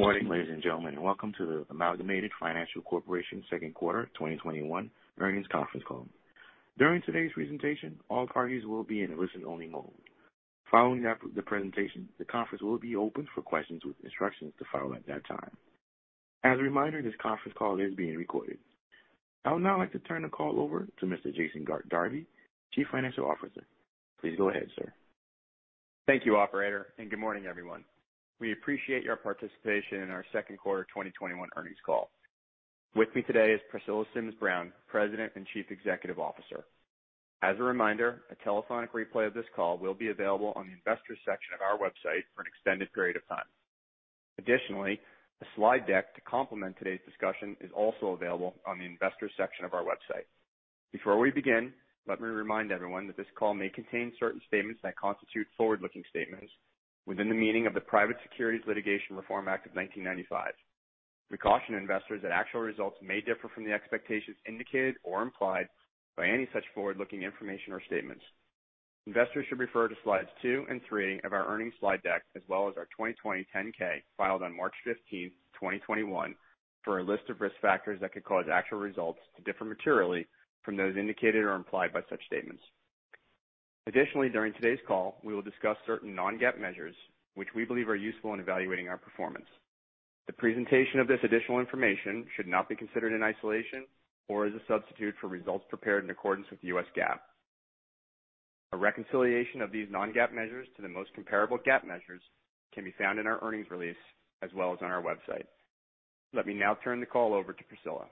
Good morning, ladies and gentlemen. Welcome to the Amalgamated Financial Corporation second quarter 2021 earnings conference call. During today's presentation, all parties will be in a listen-only mode. Following the presentation, the conference will be open for questions with instructions to follow at that time. As a reminder, this conference call is being recorded. I would now like to turn the call over to Mr. Jason Darby, Chief Financial Officer. Please go ahead, sir. Thank you, Operator, good morning, everyone. We appreciate your participation in our second quarter 2021 earnings call. With me today is Priscilla Sims Brown, President and Chief Executive Officer. As a reminder, a telephonic replay of this call will be available on the Investors section of our website for an extended period of time. Additionally, a slide deck to complement today's discussion is also available on the Investors section of our website. Before we begin, let me remind everyone that this call may contain certain statements that constitute forward-looking statements within the meaning of the Private Securities Litigation Reform Act of 1995. We caution investors that actual results may differ from the expectations indicated or implied by any such forward-looking information or statements. Investors should refer to slides two and three of our earnings slide deck as well as our 2020 10-K filed on March 15th, 2021, for a list of risk factors that could cause actual results to differ materially from those indicated or implied by such statements. Additionally, during today's call, we will discuss certain non-GAAP measures which we believe are useful in evaluating our performance. The presentation of this additional information should not be considered in isolation or as a substitute for results prepared in accordance with the US GAAP. A reconciliation of these non-GAAP measures to the most comparable GAAP measures can be found in our earnings release as well as on our website. Let me now turn the call over to Priscilla.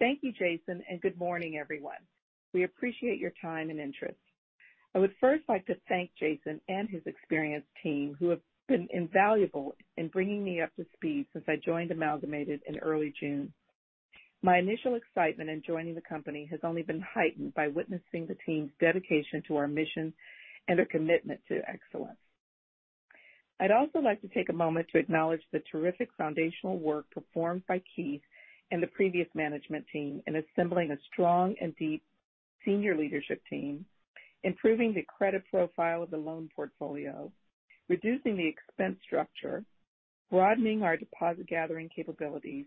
Thank you, Jason, and good morning, everyone. We appreciate your time and interest. I would first like to thank Jason and his experienced team who have been invaluable in bringing me up to speed since I joined Amalgamated in early June. My initial excitement in joining the company has only been heightened by witnessing the team's dedication to our mission and a commitment to excellence. I'd also like to take a moment to acknowledge the terrific foundational work performed by Keith and the previous management team in assembling a strong and deep senior leadership team, improving the credit profile of the loan portfolio, reducing the expense structure, broadening our deposit gathering capabilities,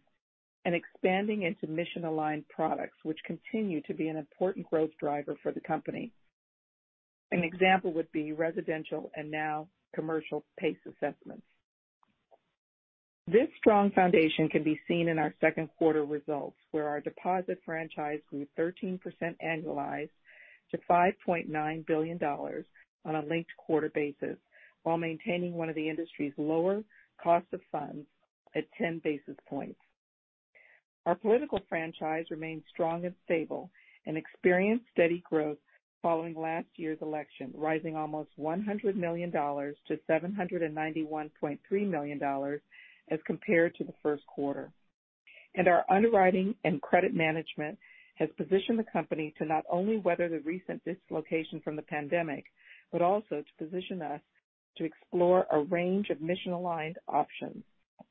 and expanding into mission-aligned products, which continue to be an important growth driver for the company. An example would be residential and now commercial PACE assessments. This strong foundation can be seen in our second quarter results, where our deposit franchise grew 13% annualized to $5.9 billion on a linked-quarter basis while maintaining one of the industry's lower cost of funds at 10 basis points. Our political franchise remains strong and stable and experienced steady growth following last year's election, rising almost $100 million-$791.3 million as compared to the first quarter. Our underwriting and credit management has positioned the company to not only weather the recent dislocation from the pandemic, but also to position us to explore a range of mission-aligned options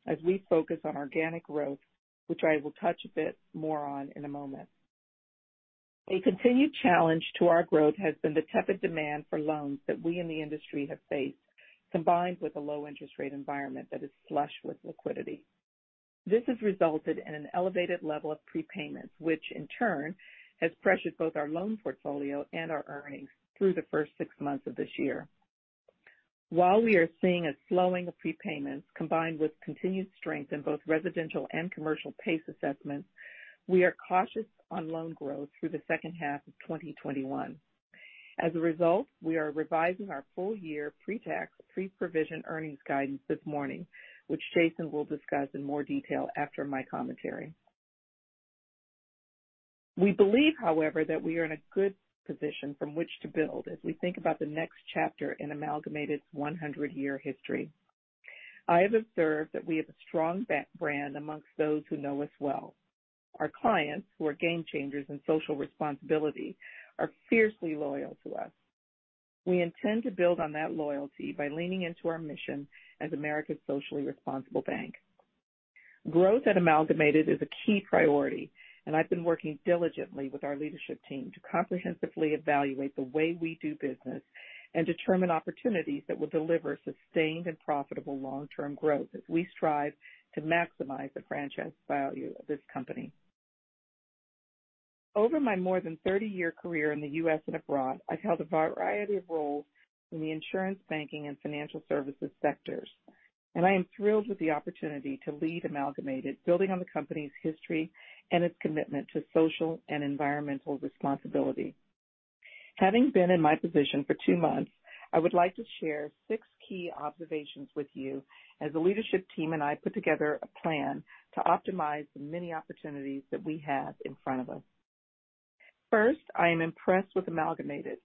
as we focus on organic growth, which I will touch a bit more on in a moment. A continued challenge to our growth has been the tepid demand for loans that we in the industry have faced, combined with a low interest rate environment that is flush with liquidity. This has resulted in an elevated level of prepayments, which in turn has pressured both our loan portfolio and our earnings through the first six months of this year. While we are seeing a slowing of prepayments combined with continued strength in both residential and commercial PACE assessments, we are cautious on loan growth through the second half of 2021. As a result, we are revising our full year pre-tax, pre-provision earnings guidance this morning, which Jason will discuss in more detail after my commentary. We believe, however, that we are in a good position from which to build as we think about the next chapter in Amalgamated's 100-year history. I have observed that we have a strong brand amongst those who know us well. Our clients, who are game changers in social responsibility, are fiercely loyal to us. We intend to build on that loyalty by leaning into our mission as America's socially responsible bank. Growth at Amalgamated is a key priority, and I've been working diligently with our leadership team to comprehensively evaluate the way we do business and determine opportunities that will deliver sustained and profitable long-term growth as we strive to maximize the franchise value of this company. Over my more than 30-year career in the U.S. and abroad, I've held a variety of roles in the insurance, banking, and financial services sectors, and I am thrilled with the opportunity to lead Amalgamated, building on the company's history and its commitment to social and environmental responsibility. Having been in my position for two months, I would like to share six key observations with you as the leadership team and I put together a plan to optimize the many opportunities that we have in front of us. First, I am impressed with Amalgamated,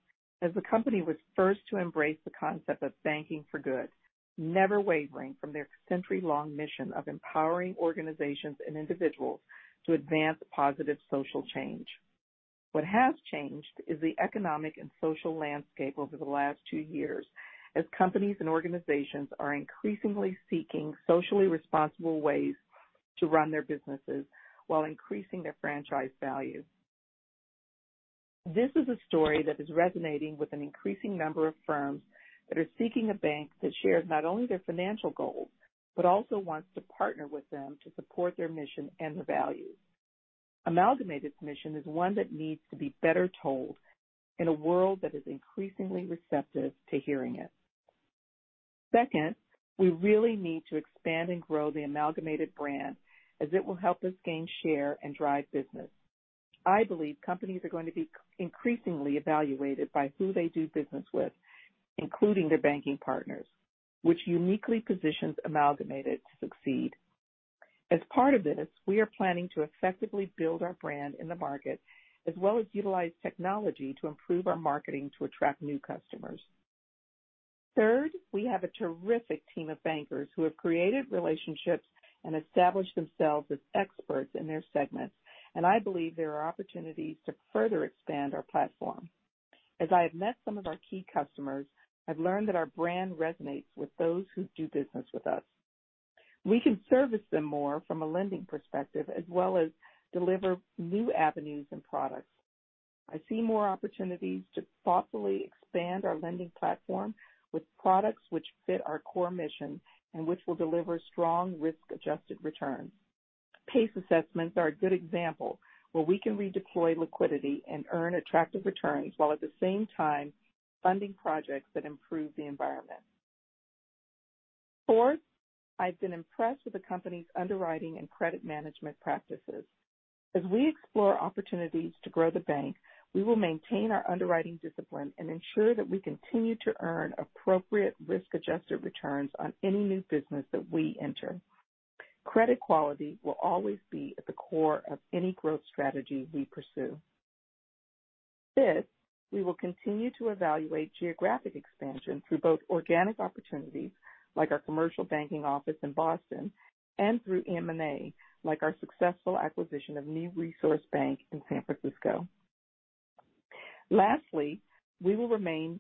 as the company was first to embrace the concept of banking for good, never wavering from their century-long mission of empowering organizations and individuals to advance positive social change. What has changed is the economic and social landscape over the last two years, as companies and organizations are increasingly seeking socially responsible ways to run their businesses while increasing their franchise value. This is a story that is resonating with an increasing number of firms that are seeking a bank that shares not only their financial goals, but also wants to partner with them to support their mission and their values. Amalgamated's mission is one that needs to be better told in a world that is increasingly receptive to hearing it. Second, we really need to expand and grow the Amalgamated brand as it will help us gain share and drive business. I believe companies are going to be increasingly evaluated by who they do business with, including their banking partners, which uniquely positions Amalgamated to succeed. As part of this, we are planning to effectively build our brand in the market, as well as utilize technology to improve our marketing to attract new customers. Third, we have a terrific team of bankers who have created relationships and established themselves as experts in their segments, and I believe there are opportunities to further expand our platform. As I have met some of our key customers, I've learned that our brand resonates with those who do business with us. We can service them more from a lending perspective, as well as deliver new avenues and products. I see more opportunities to thoughtfully expand our lending platform with products which fit our core mission and which will deliver strong risk-adjusted returns. PACE assessments are a good example where we can redeploy liquidity and earn attractive returns, while at the same time funding projects that improve the environment. Fourth, I've been impressed with the company's underwriting and credit management practices. As we explore opportunities to grow the bank, we will maintain our underwriting discipline and ensure that we continue to earn appropriate risk-adjusted returns on any new business that we enter. Credit quality will always be at the core of any growth strategy we pursue. Fifth, we will continue to evaluate geographic expansion through both organic opportunities, like our commercial banking office in Boston, and through M&A, like our successful acquisition of New Resource Bank in San Francisco. Lastly, we will remain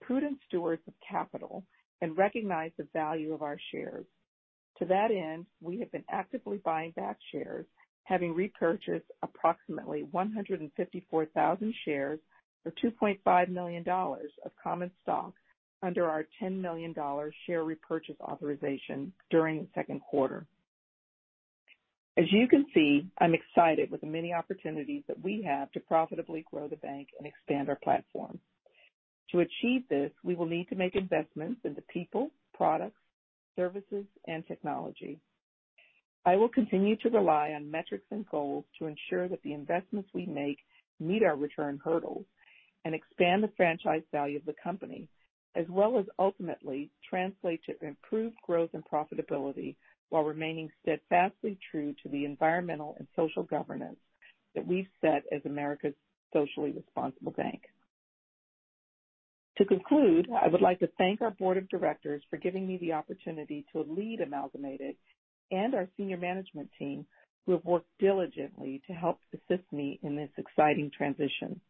prudent stewards of capital and recognize the value of our shares. To that end, we have been actively buying back shares, having repurchased approximately 154,000 shares or $2.5 million of common stock under our $10 million share repurchase authorization during the second quarter. As you can see, I'm excited with the many opportunities that we have to profitably grow the bank and expand our platform. To achieve this, we will need to make investments into people, products, services, and technology. I will continue to rely on metrics and goals to ensure that the investments we make meet our return hurdles and expand the franchise value of the company, as well as ultimately translate to improved growth and profitability while remaining steadfastly true to the environmental and social governance that we've set as America's Socially Responsible Bank. To conclude, I would like to thank our board of directors for giving me the opportunity to lead Amalgamated and our senior management team, who have worked diligently to help assist me in this exciting transition.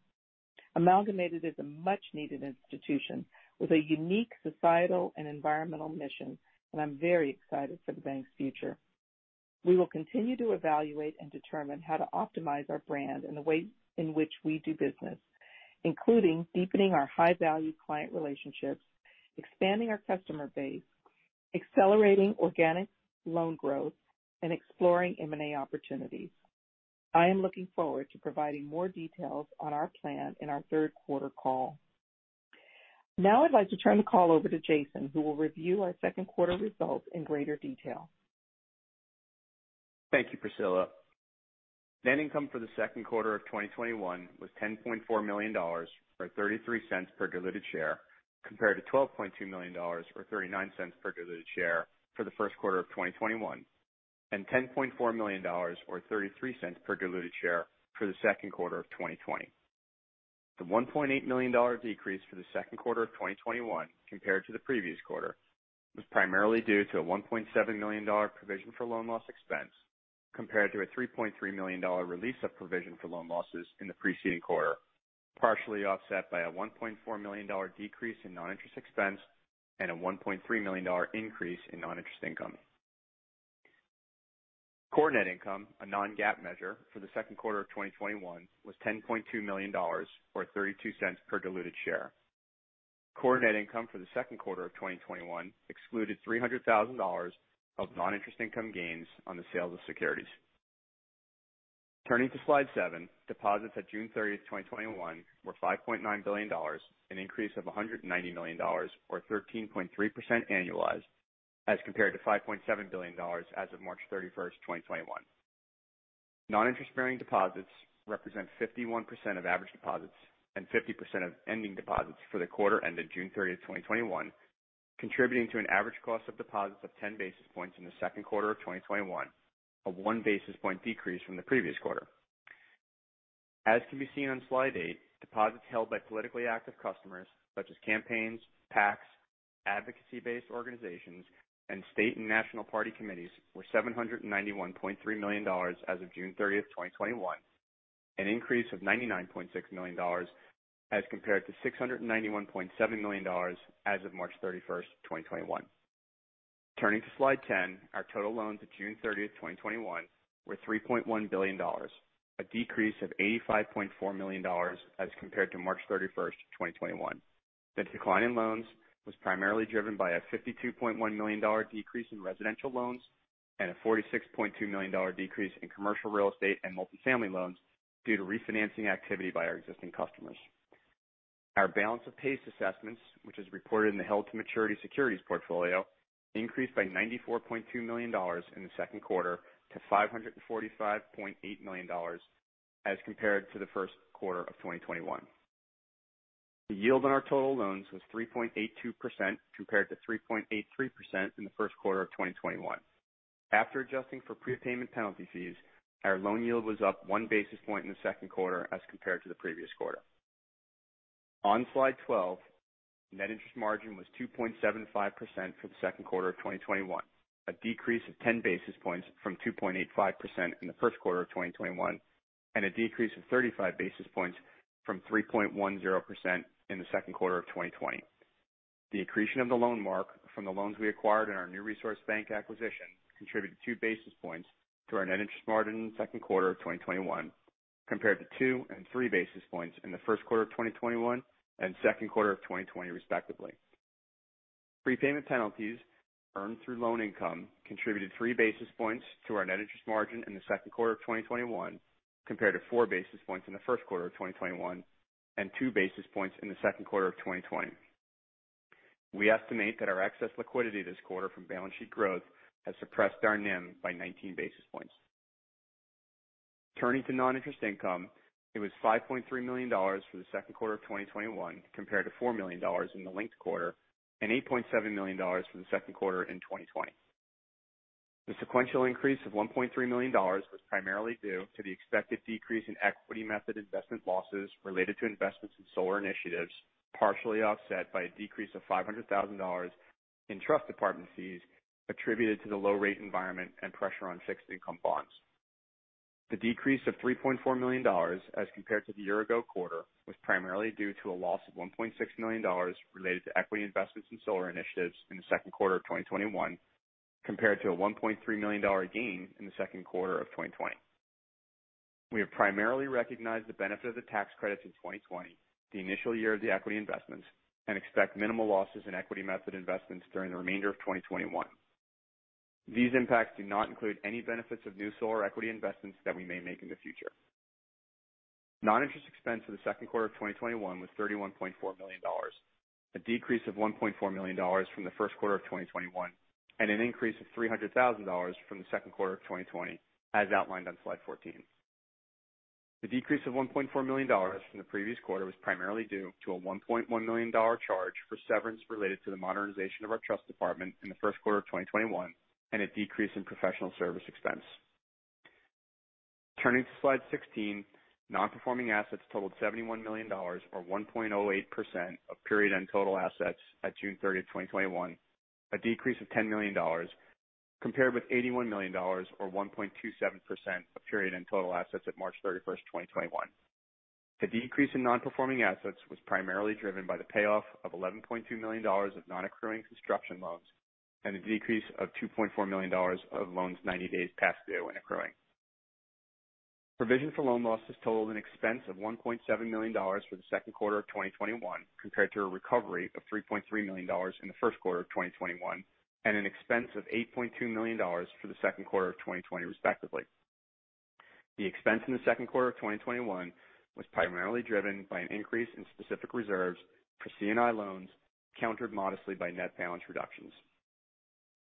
Amalgamated is a much-needed institution with a unique societal and environmental mission, and I'm very excited for the bank's future. We will continue to evaluate and determine how to optimize our brand and the way in which we do business, including deepening our high-value client relationships, expanding our customer base, accelerating organic loan growth, and exploring M&A opportunities. I am looking forward to providing more details on our plan in our third quarter call. Now I'd like to turn the call over to Jason, who will review our second quarter results in greater detail. Thank you, Priscilla. Net income for the second quarter of 2021 was $10.4 million, or $0.33 per diluted share, compared to $12.2 million or $0.39 per diluted share for the first quarter of 2021, and $10.4 million or $0.33 per diluted share for the second quarter of 2020. The $1.8 million decrease for the second quarter of 2021 compared to the previous quarter was primarily due to a $1.7 million provision for loan loss expense, compared to a $3.3 million release of provision for loan losses in the preceding quarter, partially offset by a $1.4 million decrease in non-interest expense and a $1.3 million increase in non-interest income. Core net income, a non-GAAP measure for the second quarter of 2021 was $10.2 million, or $0.32 per diluted share. Core net income for the second quarter of 2021 excluded $300,000 of non-interest income gains on the sales of securities. Turning to slide seven, deposits at June 30th, 2021, were $5.9 billion, an increase of $190 million or 13.3% annualized as compared to $5.7 billion as of March 31st, 2021. Non-interest-bearing deposits represent 51% of average deposits and 50% of ending deposits for the quarter ended June 30th, 2021, contributing to an average cost of deposits of 10 basis points in the second quarter of 2021, a one basis point decrease from the previous quarter. As can be seen on slide eight, deposits held by politically active customers such as campaigns, PACs, advocacy-based organizations, and state and national party committees were $791.3 million as of June 30th, 2021, an increase of $99.6 million as compared to $691.7 million as of March 31st, 2021. Turning to slide 10, our total loans at June 30th, 2021 were $3.1 billion, a decrease of $85.4 million as compared to March 31st, 2021. The decline in loans was primarily driven by a $52.1 million decrease in residential loans and a $46.2 million decrease in commercial real estate and multifamily loans due to refinancing activity by our existing customers. Our balance of PACE assessments, which is reported in the held-to-maturity securities portfolio, increased by $94.2 million in the second quarter to $545.8 million as compared to the first quarter of 2021. The yield on our total loans was 3.82% compared to 3.83% in the first quarter of 2021. After adjusting for prepayment penalty fees, our loan yield was up 1 basis point in the second quarter as compared to the previous quarter. On slide 12, net interest margin was 2.75% for the second quarter of 2021, a decrease of 10 basis points from 2.85% in the first quarter of 2021, and a decrease of 35 basis points from 3.10% in the second quarter of 2020. The accretion of the loan mark from the loans we acquired in our New Resource Bank acquisition contributed 2 basis points to our net interest margin in the second quarter of 2021 compared to 2 and 3 basis points in the first quarter of 2021 and second quarter of 2020, respectively. Prepayment penalties earned through loan income contributed 3 basis points to our NIM in the second quarter of 2021 compared to 4 basis points in the first quarter of 2021 and 2 basis points in the second quarter of 2020. We estimate that our excess liquidity this quarter from balance sheet growth has suppressed our NIM by 19 basis points. Turning to non-interest income, it was $5.3 million for the second quarter of 2021 compared to $4 million in the linked quarter and $8.7 million for the second quarter in 2020. The sequential increase of $1.3 million was primarily due to the expected decrease in equity method investment losses related to investments in solar initiatives, partially offset by a decrease of $500,000 in trust department fees attributed to the low rate environment and pressure on fixed income bonds. The decrease of $3.4 million as compared to the year ago quarter was primarily due to a loss of $1.6 million related to equity investments in solar initiatives in the second quarter of 2021 compared to a $1.3 million gain in the second quarter of 2020. We have primarily recognized the benefit of the tax credits in 2020, the initial year of the equity investments, and expect minimal losses in equity method investments during the remainder of 2021. These impacts do not include any benefits of new solar equity investments that we may make in the future. Non-interest expense for the second quarter of 2021 was $31.4 million, a decrease of $1.4 million from the first quarter of 2021, and an increase of $300,000 from the second quarter of 2020, as outlined on slide 14. The decrease of $1.4 million from the previous quarter was primarily due to a $1.1 million charge for severance related to the modernization of our trust department in the first quarter of 2021 and a decrease in professional service expense. Turning to slide 16, nonperforming assets totaled $71 million, or 1.08% of period-end total assets at June 30th, 2021, a decrease of $10 million compared with $81 million or 1.27% of period-end total assets at March 31st, 2021. The decrease in nonperforming assets was primarily driven by the payoff of $11.2 million of non-accruing construction loans and a decrease of $2.4 million of loans 90 days past due and accruing. Provision for loan losses totaled an expense of $1.7 million for the second quarter of 2021 compared to a recovery of $3.3 million in the first quarter of 2021 and an expense of $8.2 million for the second quarter of 2020, respectively. The expense in the second quarter of 2021 was primarily driven by an increase in specific reserves for C&I loans, countered modestly by net balance reductions.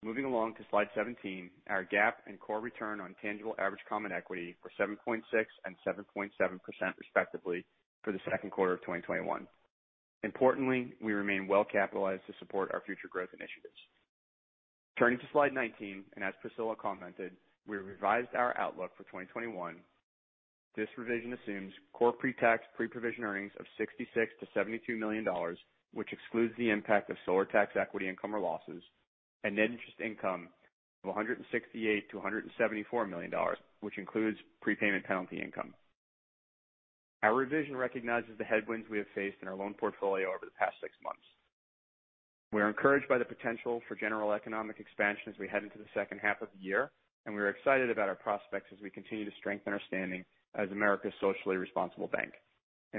Moving along to slide 17, our GAAP and core return on tangible average common equity were 7.6% and 7.7%, respectively, for the second quarter of 2021. Importantly, we remain well capitalized to support our future growth initiatives. Turning to slide 19, as Priscilla commented, we revised our outlook for 2021. This revision assumes core pre-tax, pre-provision earnings of $66 million-$72 million, which excludes the impact of solar tax equity income or losses, and net interest income of $168 million-$174 million, which includes prepayment penalty income. Our revision recognizes the headwinds we have faced in our loan portfolio over the past six months. We are encouraged by the potential for general economic expansion as we head into the second half of the year, and we are excited about our prospects as we continue to strengthen our standing as America's socially responsible bank.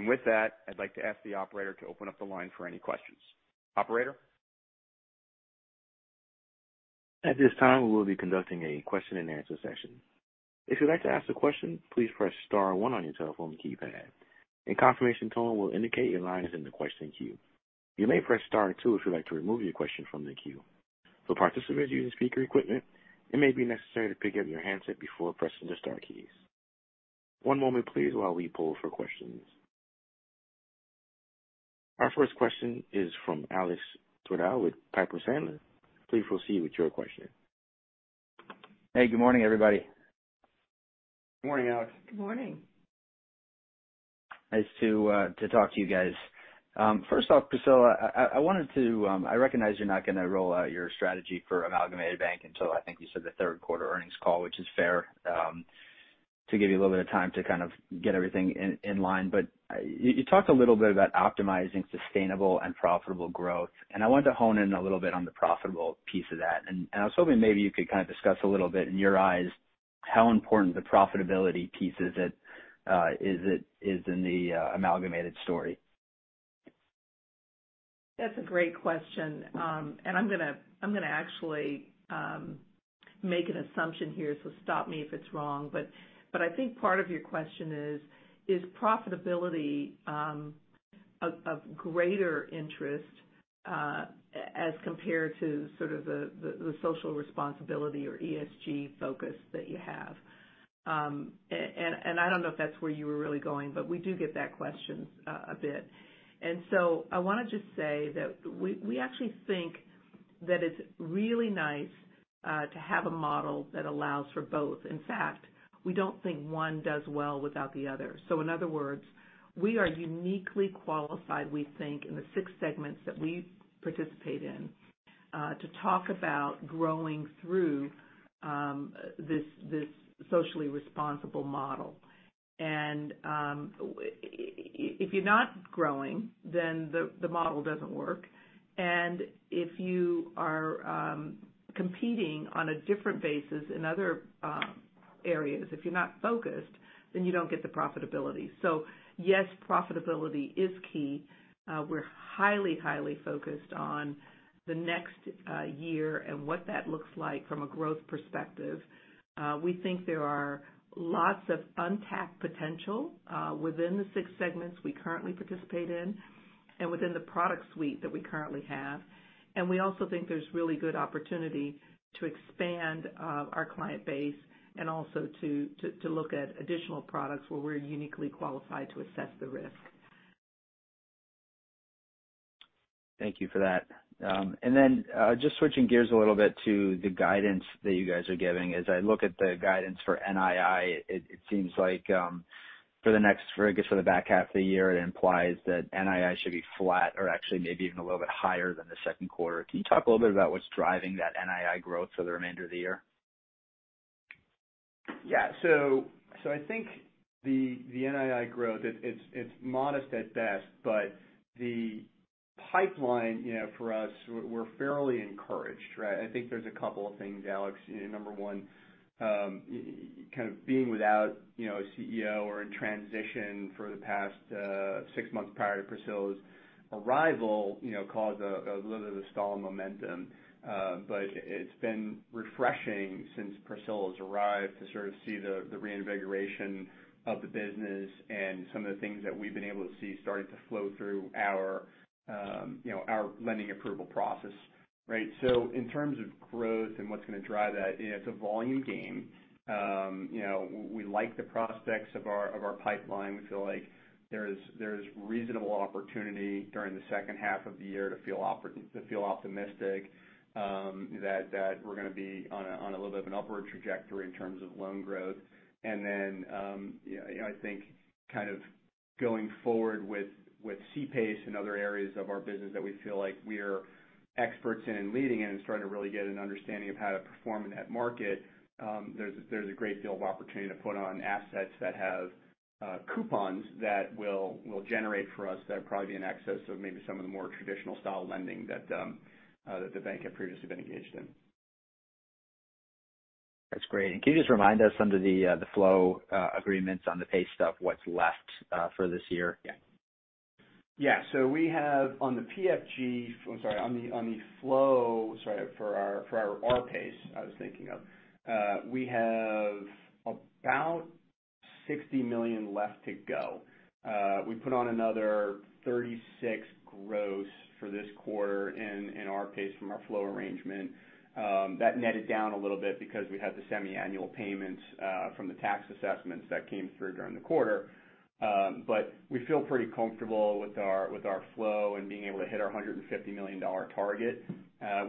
With that, I'd like to ask the operator to open up the line for any questions. Operator? At this time, we will be conducting a question-and-answer session. If you like to ask a question, please press star one on your telephone keypad. A confirmation tone will indicate your line is in the question queue. You may press star two if you like to remove your question from the queue. For participants who are using speaker, it may be necessary to get your handset before pressing the star keys. One moment please, while we pull for questions. Our first question is from Alex Twerdahl with Piper Sandler. Please proceed with your question. Hey, good morning, everybody. Good morning, Alex. Good morning. Nice to talk to you guys. First off, Priscilla, I recognize you're not going to roll out your strategy for Amalgamated Bank until, I think you said, the third quarter earnings call, which is fair. To give you a little bit of time to kind of get everything in line. You talked a little bit about optimizing sustainable and profitable growth, and I wanted to hone in a little bit on the profitable piece of that. I was hoping maybe you could kind of discuss a little bit, in your eyes, how important the profitability piece is in the Amalgamated story. That's a great question. I'm going to actually make an assumption here, so stop me if it's wrong, but I think part of your question is profitability of greater interest as compared to sort of the social responsibility or ESG focus that you have? I don't know if that's where you were really going, but we do get that question a bit. I want to just say that we actually think that it's really nice to have a model that allows for both. In fact, we don't think one does well without the other. In other words, we are uniquely qualified, we think, in the six segments that we participate in to talk about growing through this socially responsible model. If you're not growing, then the model doesn't work. If you are competing on a different basis in other areas, if you're not focused, then you don't get the profitability. Yes, profitability is key. We're highly focused on the next year and what that looks like from a growth perspective. We think there are lots of untapped potential within the six segments we currently participate in and within the product suite that we currently have. We also think there's really good opportunity to expand our client base and also to look at additional products where we're uniquely qualified to assess the risk. Thank you for that. Just switching gears a little bit to the guidance that you guys are giving. As I look at the guidance for NII, it seems like for the next, I guess, for the back half of the year, it implies that NII should be flat or actually maybe even a little bit higher than the second quarter. Can you talk a little bit about what's driving that NII growth for the remainder of the year? Yeah. I think the NII growth, it's modest at best, but the pipeline for us, we're fairly encouraged, right? I think there's a couple of things, Alex. Number one, kind of being without a CEO or in transition for the past six months prior to Priscilla's arrival caused a little bit of a stall in momentum. It's been refreshing since Priscilla's arrived to sort of see the reinvigoration of the business and some of the things that we've been able to see starting to flow through our lending approval process, right? In terms of growth and what's going to drive that, it's a volume game. We like the prospects of our pipeline. We feel like there is reasonable opportunity during the second half of the year to feel optimistic that we're going to be on a little bit of an upward trajectory in terms of loan growth. I think kind of going forward with C-PACE and other areas of our business that we feel like we're experts in and leading in and starting to really get an understanding of how to perform in that market. There's a great deal of opportunity to put on assets that have coupons that will generate for us that are probably in excess of maybe some of the more traditional style lending that the bank had previously been engaged in. That's great. Can you just remind us under the flow agreements on the PACE stuff, what's left for this year? We have on the flow for our R-PACE. We have about $60 million left to go. We put on another 36 gross for this quarter in R-PACE from our flow arrangement. That netted down a little bit because we had the semi-annual payments from the tax assessments that came through during the quarter. We feel pretty comfortable with our flow and being able to hit our $150 million target.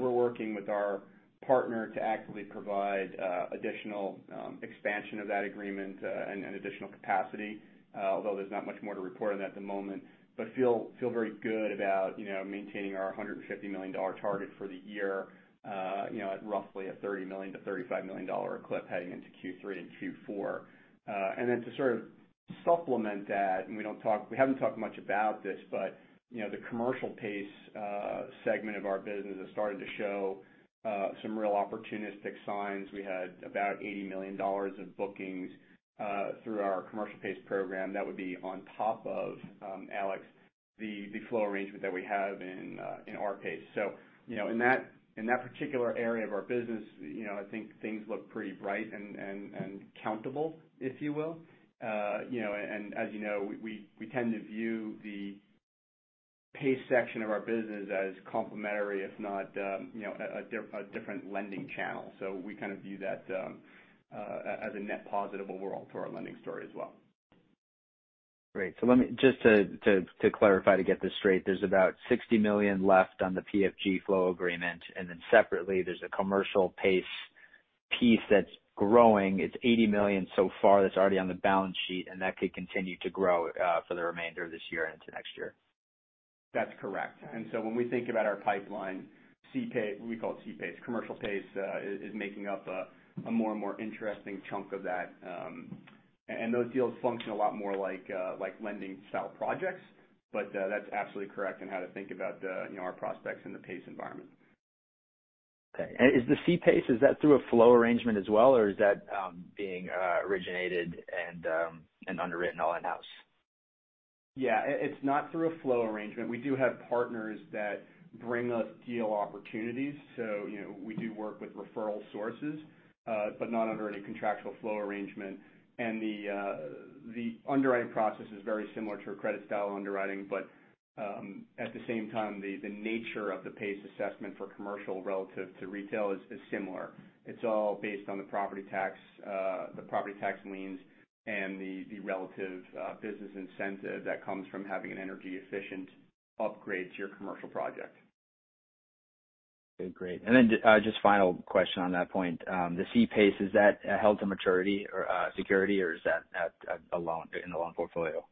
We're working with our partner to actively provide additional expansion of that agreement and additional capacity. There's not much more to report on that at the moment, but we feel very good about maintaining our $150 million target for the year at roughly a $30 million-$35 million a clip heading into Q3 and Q4. To sort of supplement that, and we haven't talked much about this, but the commercial PACE segment of our business has started to show some real opportunistic signs. We had about $80 million of bookings through our commercial PACE program that would be on top of, Alex, the flow arrangement that we have in R-PACE. In that particular area of our business, I think things look pretty bright and countable, if you will. As you know, we tend to view the PACE section of our business as complementary, if not a different lending channel. We kind of view that as a net positive overall to our lending story as well. Great. Let me just to clarify, to get this straight, there's about $60 million left on the PFG flow agreement, and then separately, there's a commercial PACE piece that's growing. It's $80 million so far that's already on the balance sheet, and that could continue to grow for the remainder of this year and into next year. That's correct. When we think about our pipeline, C-PACE, we call it C-PACE. Commercial PACE is making up a more and more interesting chunk of that. Those deals function a lot more like lending-style projects. That's absolutely correct in how to think about our prospects in the PACE environment. Okay. Is the C-PACE, is that through a flow arrangement as well, or is that being originated and underwritten all in-house? Yeah. It's not through a flow arrangement. We do have partners that bring us deal opportunities. We do work with referral sources but not under any contractual flow arrangement. The underwriting process is very similar to a credit style underwriting, but at the same time, the nature of the PACE assessment for commercial relative to retail is similar. It's all based on the property tax liens and the relative business incentive that comes from having an energy efficient upgrade to your commercial project. Okay, great. Just final question on that point. The C-PACE, is that held-to-maturity or security or is that a loan in the loan portfolio?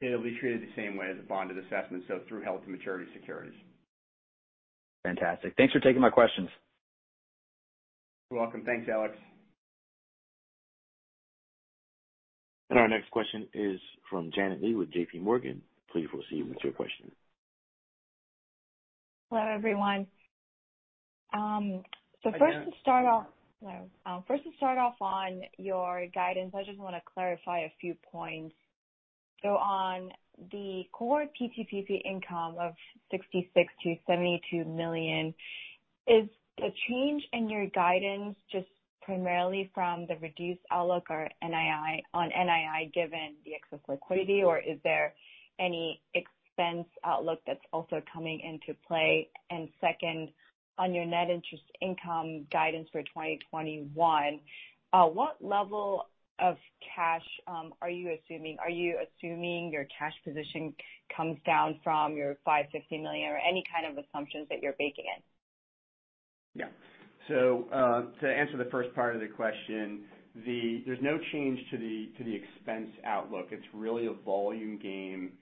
It'll be treated the same way as a bonded assessment, so through held-to-maturity securities. Fantastic. Thanks for taking my questions. You're welcome. Thanks, Alex. Our next question is from Janet Lee with JPMorgan. Please proceed with your question. Hello, everyone. Hi, Janet. First to start off on your guidance, I just want to clarify a few points. On the core PTPP income of $66 million-$72 million, is the change in your guidance just primarily from the reduced outlook or on NII given the excess liquidity, or is there any expense outlook that's also coming into play? Second, on your net interest income guidance for 2021, what level of cash are you assuming? Are you assuming your cash position comes down from your $550 million, or any kind of assumptions that you're baking in? Yeah. To answer the first part of the question, there's no change to the expense outlook. It's really a volume game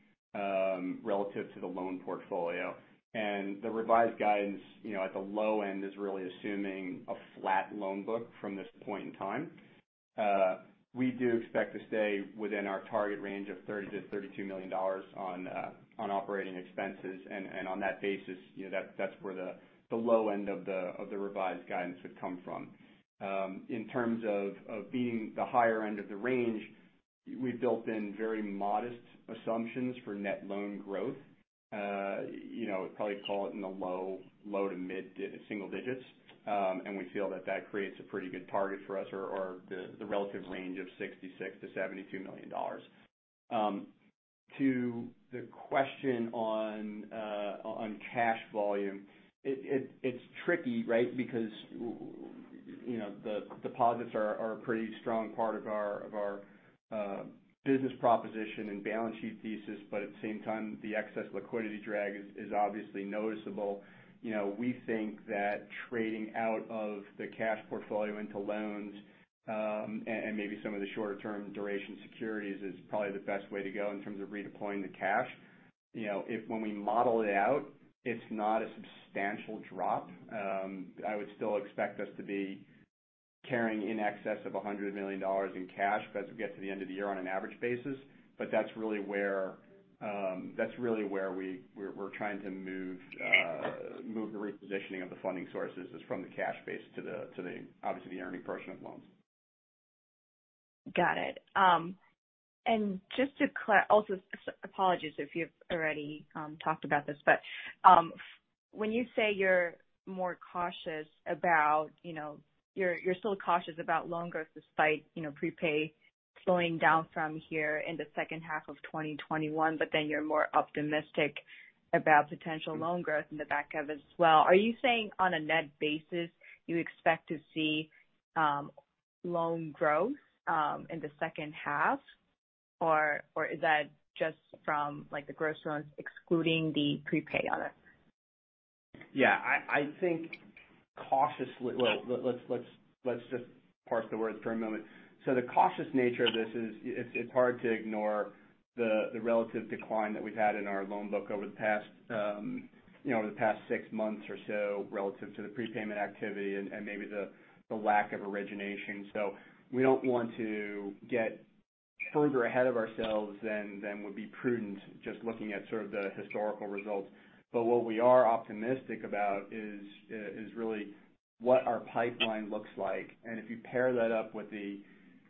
relative to the loan portfolio. The revised guidance at the low end is really assuming a flat loan book from this point in time. We do expect to stay within our target range of $30 million-$32 million on operating expenses. On that basis, that's where the low end of the revised guidance would come from. In terms of being the higher end of the range, we've built in very modest assumptions for net loan growth. Probably call it in the low to mid-single digits. We feel that that creates a pretty good target for us or the relative range of $66 million-$72 million. To the question on cash volume. It's tricky, right? The deposits are a pretty strong part of our business proposition and balance sheet thesis, but at the same time, the excess liquidity drag is obviously noticeable. We think that trading out of the cash portfolio into loans, and maybe some of the shorter term duration securities is probably the best way to go in terms of redeploying the cash. When we model it out, it's not a substantial drop. I would still expect us to be carrying in excess of $100 million in cash as we get to the end of the year on an average basis. That's really where we're trying to move the repositioning of the funding sources, is from the cash base to the, obviously the earning portion of loans. Got it. Apologies if you've already talked about this, when you say you're still cautious about loan growth despite prepay slowing down from here in the second half of 2021, you're more optimistic about potential loan growth in the back half as well. Are you saying on a net basis, you expect to see loan growth in the second half, or is that just from the gross loans excluding the prepay on it? Yeah. Let's just parse the words for a moment. The cautious nature of this is it's hard to ignore the relative decline that we've had in our loan book over the past six months or so relative to the prepayment activity and maybe the lack of origination. We don't want to get further ahead of ourselves than would be prudent just looking at sort of the historical results. What we are optimistic about is really what our pipeline looks like. If you pair that up with the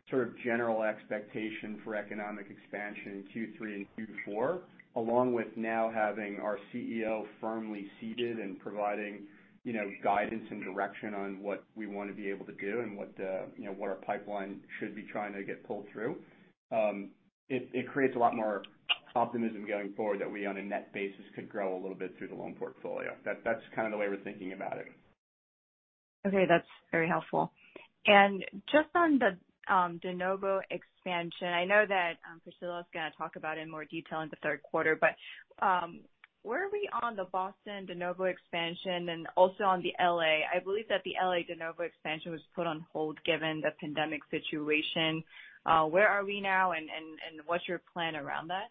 sort of general expectation for economic expansion in Q3 and Q4, along with now having our CEO firmly seated and providing guidance and direction on what we want to be able to do and what our pipeline should be trying to get pulled through. It creates a lot more optimism going forward that we, on a net basis, could grow a little bit through the loan portfolio. That's kind of the way we're thinking about it. Okay. That's very helpful. Just on the de novo expansion. I know that Priscilla's going to talk about it in more detail in the third quarter, but where are we on the Boston de novo expansion and also on the L.A.? I believe that the L.A. de novo expansion was put on hold given the pandemic situation. Where are we now and what's your plan around that?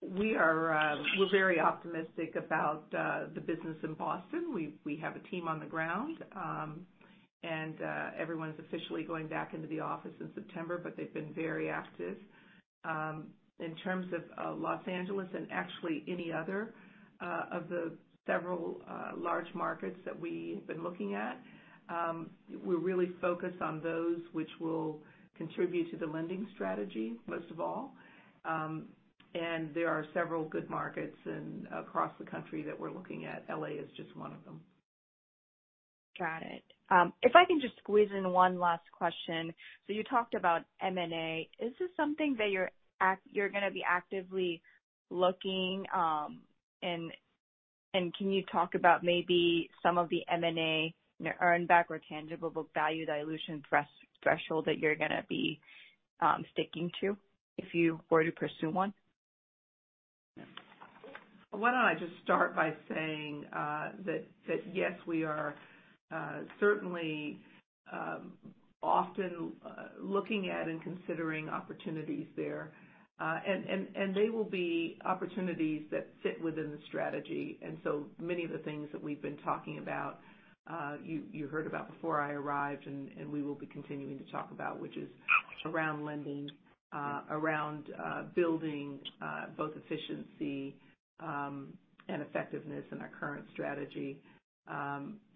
We are very optimistic about the business in Boston. We have a team on the ground. Everyone's officially going back into the office in September, but they've been very active. In terms of L.A. and actually any other of the several large markets that we've been looking at, we're really focused on those which will contribute to the lending strategy, most of all. There are several good markets across the country that we're looking at. L.A. is just one of them. Got it. If I can just squeeze in one last question. You talked about M&A. Is this something that you're going to be actively looking at? Can you talk about maybe some of the M&A earn back or tangible book value dilution threshold that you're going to be sticking to if you were to pursue one? Why don't I just start by saying that, yes, we are certainly often looking at and considering opportunities there. They will be opportunities that fit within the strategy. Many of the things that we've been talking about, you heard about before I arrived, and we will be continuing to talk about, which is around lending, around building both efficiency and effectiveness in our current strategy,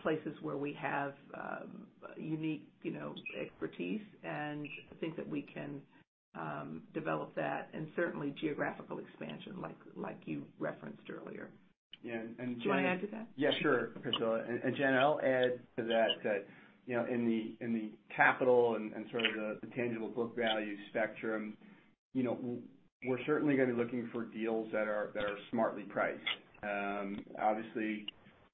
places where we have unique expertise and think that we can develop that, and certainly geographical expansion, like you referenced earlier. Yeah. Do you want to add to that? Yeah, sure, Priscilla. Jan, I'll add to that. In the capital and sort of the tangible book value spectrum, we're certainly going to be looking for deals that are smartly priced. Obviously,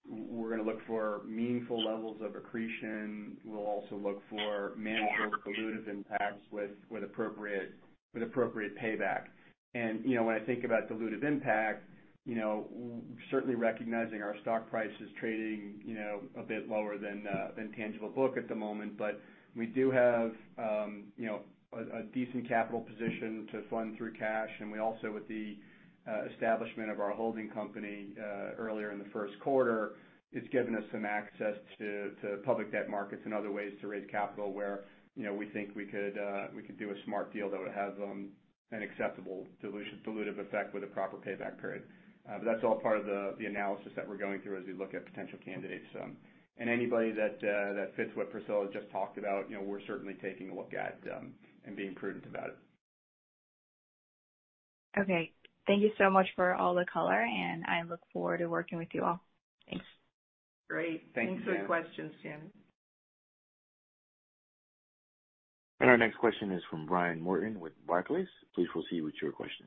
we're going to look for meaningful levels of accretion. We'll also look for manageable dilutive impacts with appropriate payback. When I think about dilutive impact, certainly recognizing our stock price is trading a bit lower than tangible book at the moment. We do have a decent capital position to fund through cash. We also, with the establishment of our holding company earlier in the first quarter, it's given us some access to public debt markets and other ways to raise capital where we think we could do a smart deal that would have an acceptable dilutive effect with a proper payback period. That's all part of the analysis that we're going through as we look at potential candidates. Anybody that fits what Priscilla just talked about, we're certainly taking a look at and being prudent about it. Okay. Thank you so much for all the color. I look forward to working with you all. Thanks. Great. Thanks, Jan. Thanks for the questions, Jan. Our next question is from Brian Martin with Barclays. Please proceed with your question.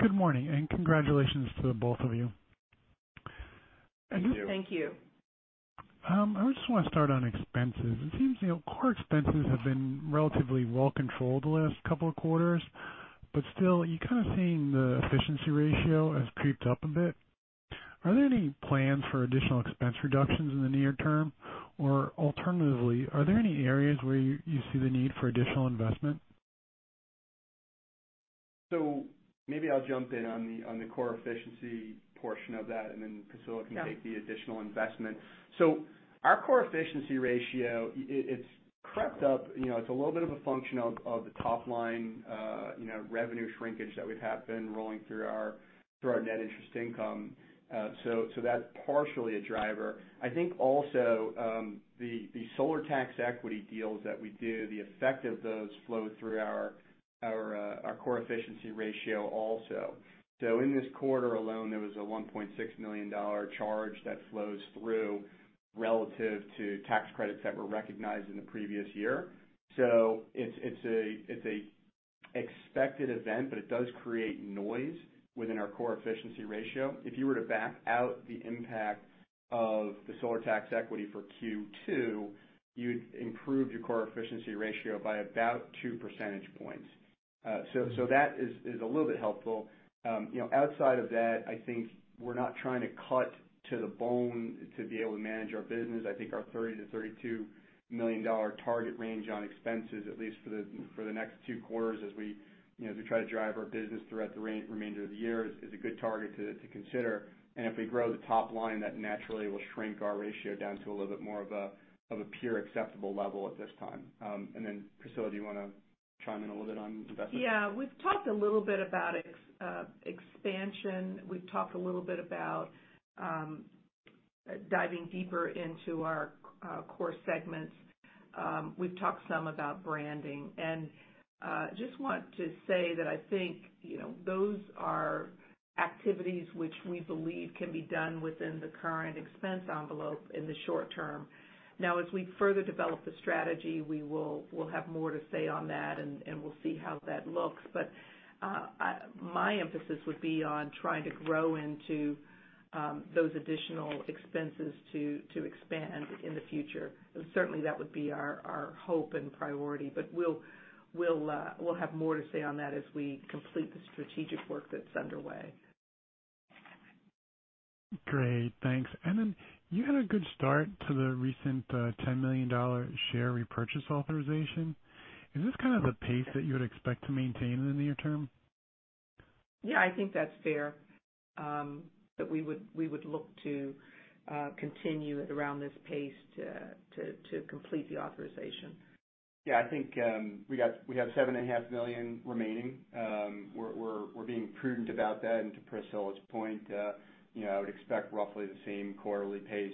Good morning, and congratulations to the both of you. Thank you. Thank you. I just want to start on expenses. It seems core expenses have been relatively well controlled the last couple of quarters, but still, you're kind of seeing the efficiency ratio has creeped up a bit. Are there any plans for additional expense reductions in the near term? Alternatively, are there any areas where you see the need for additional investment? Maybe I'll jump in on the core efficiency portion of that, and then Priscilla. Yeah. can take the additional investment. Our core efficiency ratio, it's crept up. It's a little bit of a function of the top line revenue shrinkage that we have been rolling through our net interest income. That's partially a driver. I think also the solar tax equity deals that we do, the effect of those flow through our core efficiency ratio also. In this quarter alone, there was a $1.6 million charge that flows through relative to tax credits that were recognized in the previous year. It's an expected event, but it does create noise within our core efficiency ratio. If you were to back out the impact of the solar tax equity for Q2, you'd improve your core efficiency ratio by about 2 percentage points. That is a little bit helpful. Outside of that, I think we're not trying to cut to the bone to be able to manage our business. I think our $30 million-$32 million target range on expenses, at least for the next two quarters as we try to drive our business throughout the remainder of the year, is a good target to consider. Then Priscilla, do you want to chime in a little bit on investment? Yeah. We've talked a little bit about expansion. We've talked a little bit about diving deeper into our core segments. We've talked some about branding. Just want to say that I think those are activities which we believe can be done within the current expense envelope in the short term. Now, as we further develop the strategy, we'll have more to say on that, and we'll see how that looks. My emphasis would be on trying to grow into those additional expenses to expand in the future. Certainly, that would be our hope and priority. We'll have more to say on that as we complete the strategic work that's underway. Great. Thanks. You had a good start to the recent $10 million share repurchase authorization. Is this kind of the pace that you would expect to maintain in the near term? I think that's fair, that we would look to continue at around this pace to complete the authorization. Yeah, I think we have 7.5 million remaining. We're being prudent about that, and to Priscilla's point, I would expect roughly the same quarterly pace,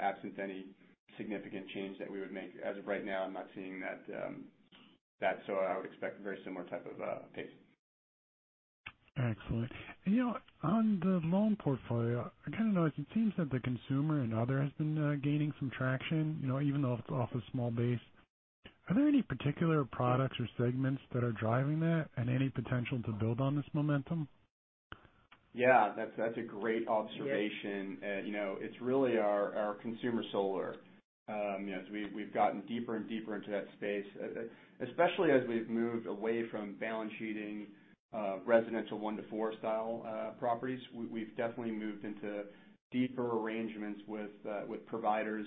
absent any significant change that we would make. As of right now, I'm not seeing that. I would expect very similar type of pace. Excellent. On the loan portfolio, I kind of notice it seems that the consumer and other has been gaining some traction, even though it's off a small base. Are there any particular products or segments that are driving that and any potential to build on this momentum? Yeah, that's a great observation. Yes. It's really our consumer solar. As we've gotten deeper and deeper into that space, especially as we've moved away from balance sheeting residential one to four style properties, we've definitely moved into deeper arrangements with providers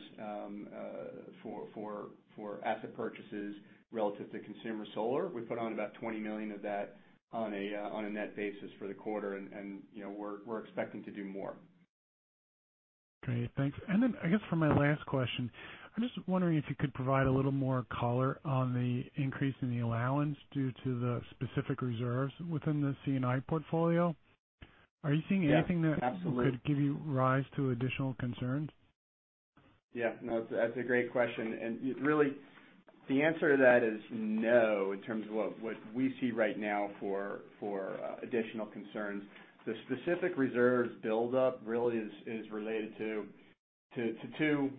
for asset purchases relative to consumer solar. We put on about $20 million of that on a net basis for the quarter. We're expecting to do more. Great, thanks. I guess for my last question, I'm just wondering if you could provide a little more color on the increase in the allowance due to the specific reserves within the C&I portfolio. Are you seeing anything that- Yeah, absolutely. could give you rise to additional concerns? Yeah, no, that's a great question. Really the answer to that is no, in terms of what we see right now for additional concerns. The specific reserves buildup really is related to two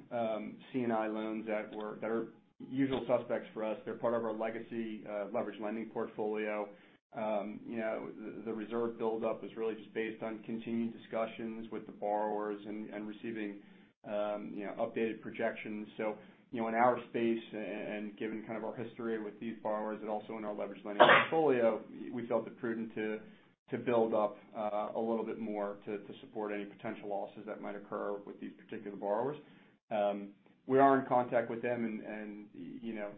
C&I loans that are usual suspects for us. They're part of our legacy leverage lending portfolio. The reserve buildup is really just based on continued discussions with the borrowers and receiving updated projections. In our space and given kind of our history with these borrowers and also in our leverage lending portfolio, we felt it prudent to build up a little bit more to support any potential losses that might occur with these particular borrowers. We are in contact with them, and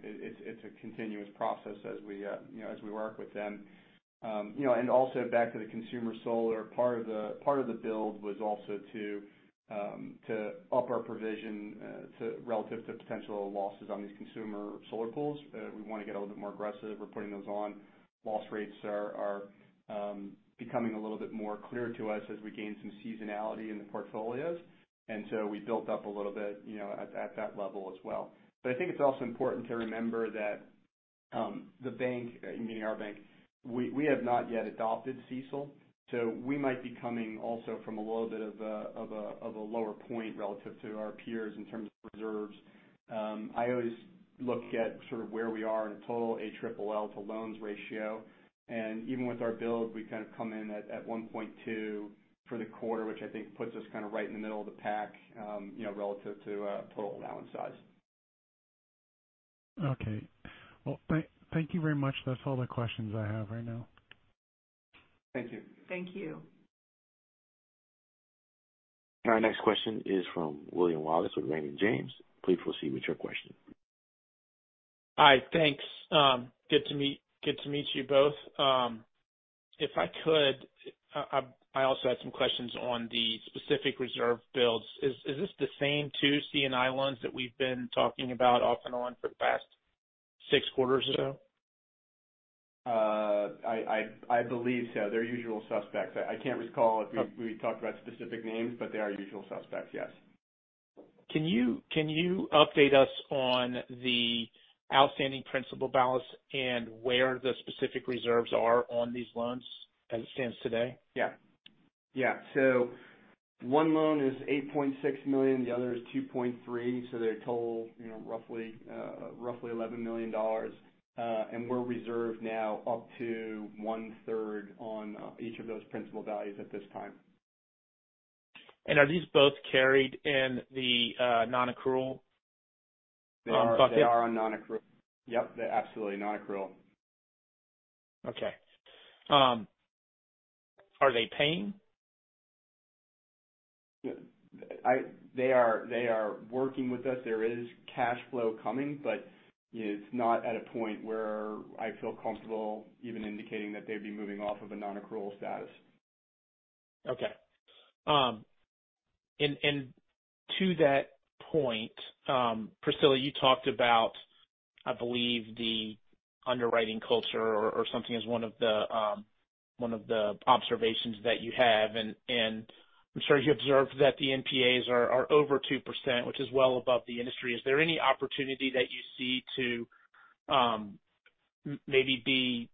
it's a continuous process as we work with them. Also back to the consumer solar, part of the build was also to up our provision relative to potential losses on these consumer solar pools. We want to get a little bit more aggressive. We're putting those on. Loss rates are becoming a little bit more clear to us as we gain some seasonality in the portfolios. We built up a little bit at that level as well. I think it's also important to remember that the bank, meaning our bank, we have not yet adopted CECL, so we might be coming also from a little bit of a lower point relative to our peers in terms of reserves. I always look at sort of where we are in a total ALLL to loans ratio. Even with our build, we kind of come in at 1.2 for the quarter, which I think puts us kind of right in the middle of the pack relative to total allowance size. Okay. Well, thank you very much. That's all the questions I have right now. Thank you. Thank you. Our next question is from William Wallace with Raymond James. Please proceed with your question. Hi, thanks. Good to meet you both. If I could, I also had some questions on the specific reserve builds. Is this the same two C&I loans that we've been talking about off and on for the past six quarters or so? I believe so. They're usual suspects. I can't recall if we talked about specific names, but they are usual suspects, yes. Can you update us on the outstanding principal balance and where the specific reserves are on these loans as it stands today? Yeah. One loan is $8.6 million, the other is $2.3. They're total roughly $11 million. We're reserved now up to 1/3 on each of those principal values at this time. Are these both carried in the non-accrual bucket? They are on non-accrual. Yep. They're absolutely non-accrual. Okay. Are they paying? They are working with us. There is cash flow coming, but it's not at a point where I feel comfortable even indicating that they'd be moving off of a non-accrual status. Okay. To that point, Priscilla, you talked about, I believe, the underwriting culture or something as one of the observations that you have, and I'm sure you observed that the NPAs are over 2%, which is well above the industry. Is there any opportunity that you see to maybe be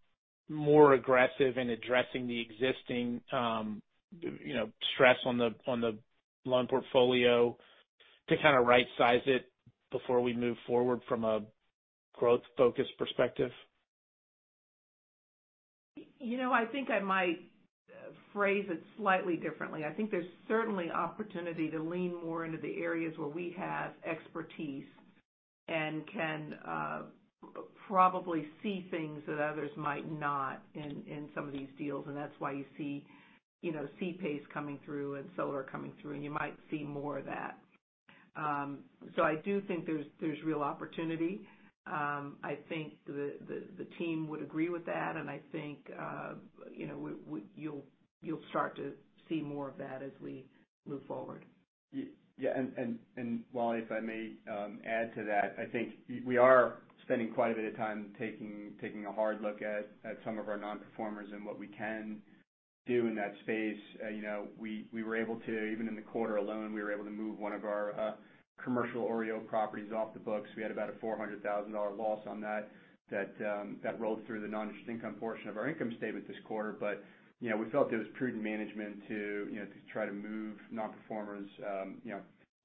more aggressive in addressing the existing stress on the loan portfolio to kind of right size it before we move forward from a growth-focused perspective? I think I might phrase it slightly differently. I think there's certainly opportunity to lean more into the areas where we have expertise and can probably see things that others might not in some of these deals, and that's why you see C-PACE coming through and solar coming through, and you might see more of that. I do think there's real opportunity. I think the team would agree with that, and I think you'll start to see more of that as we move forward. Yeah. Wally, if I may add to that. I think we are spending quite a bit of time taking a hard look at some of our nonperformers and what we can do in that space. Even in the quarter alone, we were able to move one of our commercial OREO properties off the books. We had about a $400,000 loss on that rolled through the non-interest income portion of our income statement this quarter. We felt it was prudent management to try to move nonperformers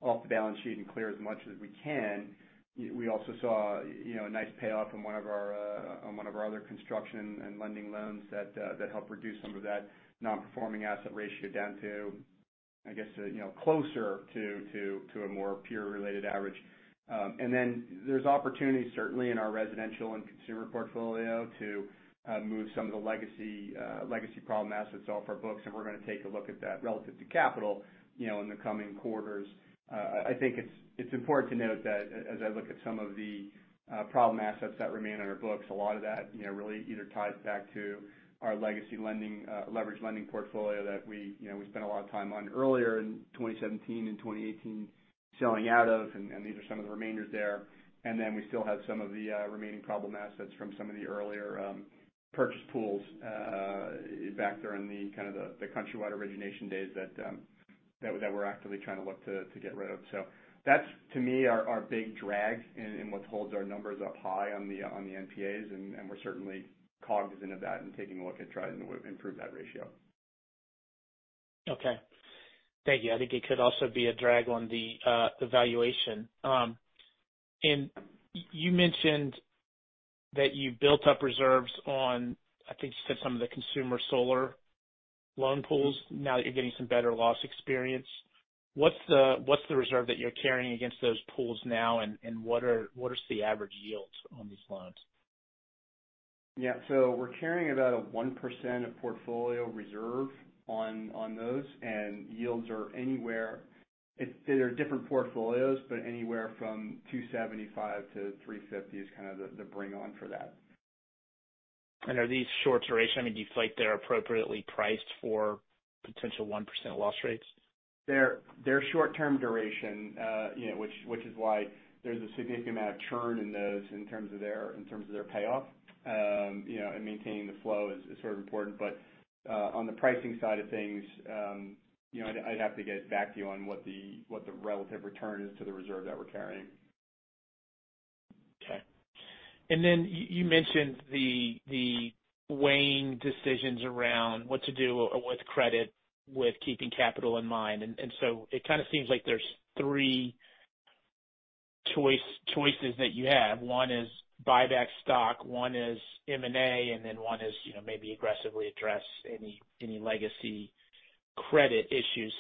off the balance sheet and clear as much as we can. We also saw a nice payoff on one of our other construction and lending loans that helped reduce some of that nonperforming asset ratio down to, I guess, closer to a more peer-related average. There's opportunities certainly in our residential and consumer portfolio to move some of the legacy problem assets off our books, and we're going to take a look at that relative to capital in the coming quarters. I think it's important to note that as I look at some of the problem assets that remain on our books, a lot of that really either ties back to our legacy leverage lending portfolio that we spent a lot of time on earlier in 2017 and 2018 selling out of, and these are some of the remainders there. We still have some of the remaining problem assets from some of the earlier purchase pools back during the Countrywide origination days that we're actively trying to look to get rid of. That's, to me, our big drag in what holds our numbers up high on the NPAs, and we're certainly cognizant of that and taking a look at trying to improve that ratio. Okay. Thank you. I think it could also be a drag on the valuation. You mentioned that you built up reserves on, I think you said some of the consumer solar loan pools now that you're getting some better loss experience. What's the reserve that you're carrying against those pools now, and what is the average yields on these loans? Yeah. We're carrying about a 1% of portfolio reserve on those, and yields are anywhere, they're different portfolios, but anywhere from 275%-350% is kind of the bring on for that. Are these short duration? Do you feel like they're appropriately priced for potential 1% loss rates? They're short-term duration, which is why there's a significant amount of churn in those in terms of their payoff, and maintaining the flow is sort of important. But on the pricing side of things, I'd have to get back to you on what the relative return is to the reserve that we're carrying. Okay. You mentioned the weighing decisions around what to do with credit, with keeping capital in mind. It kind of seems like there's three choices that you have. One is buy back stock, one is M&A, and then one is maybe aggressively address any legacy credit issues.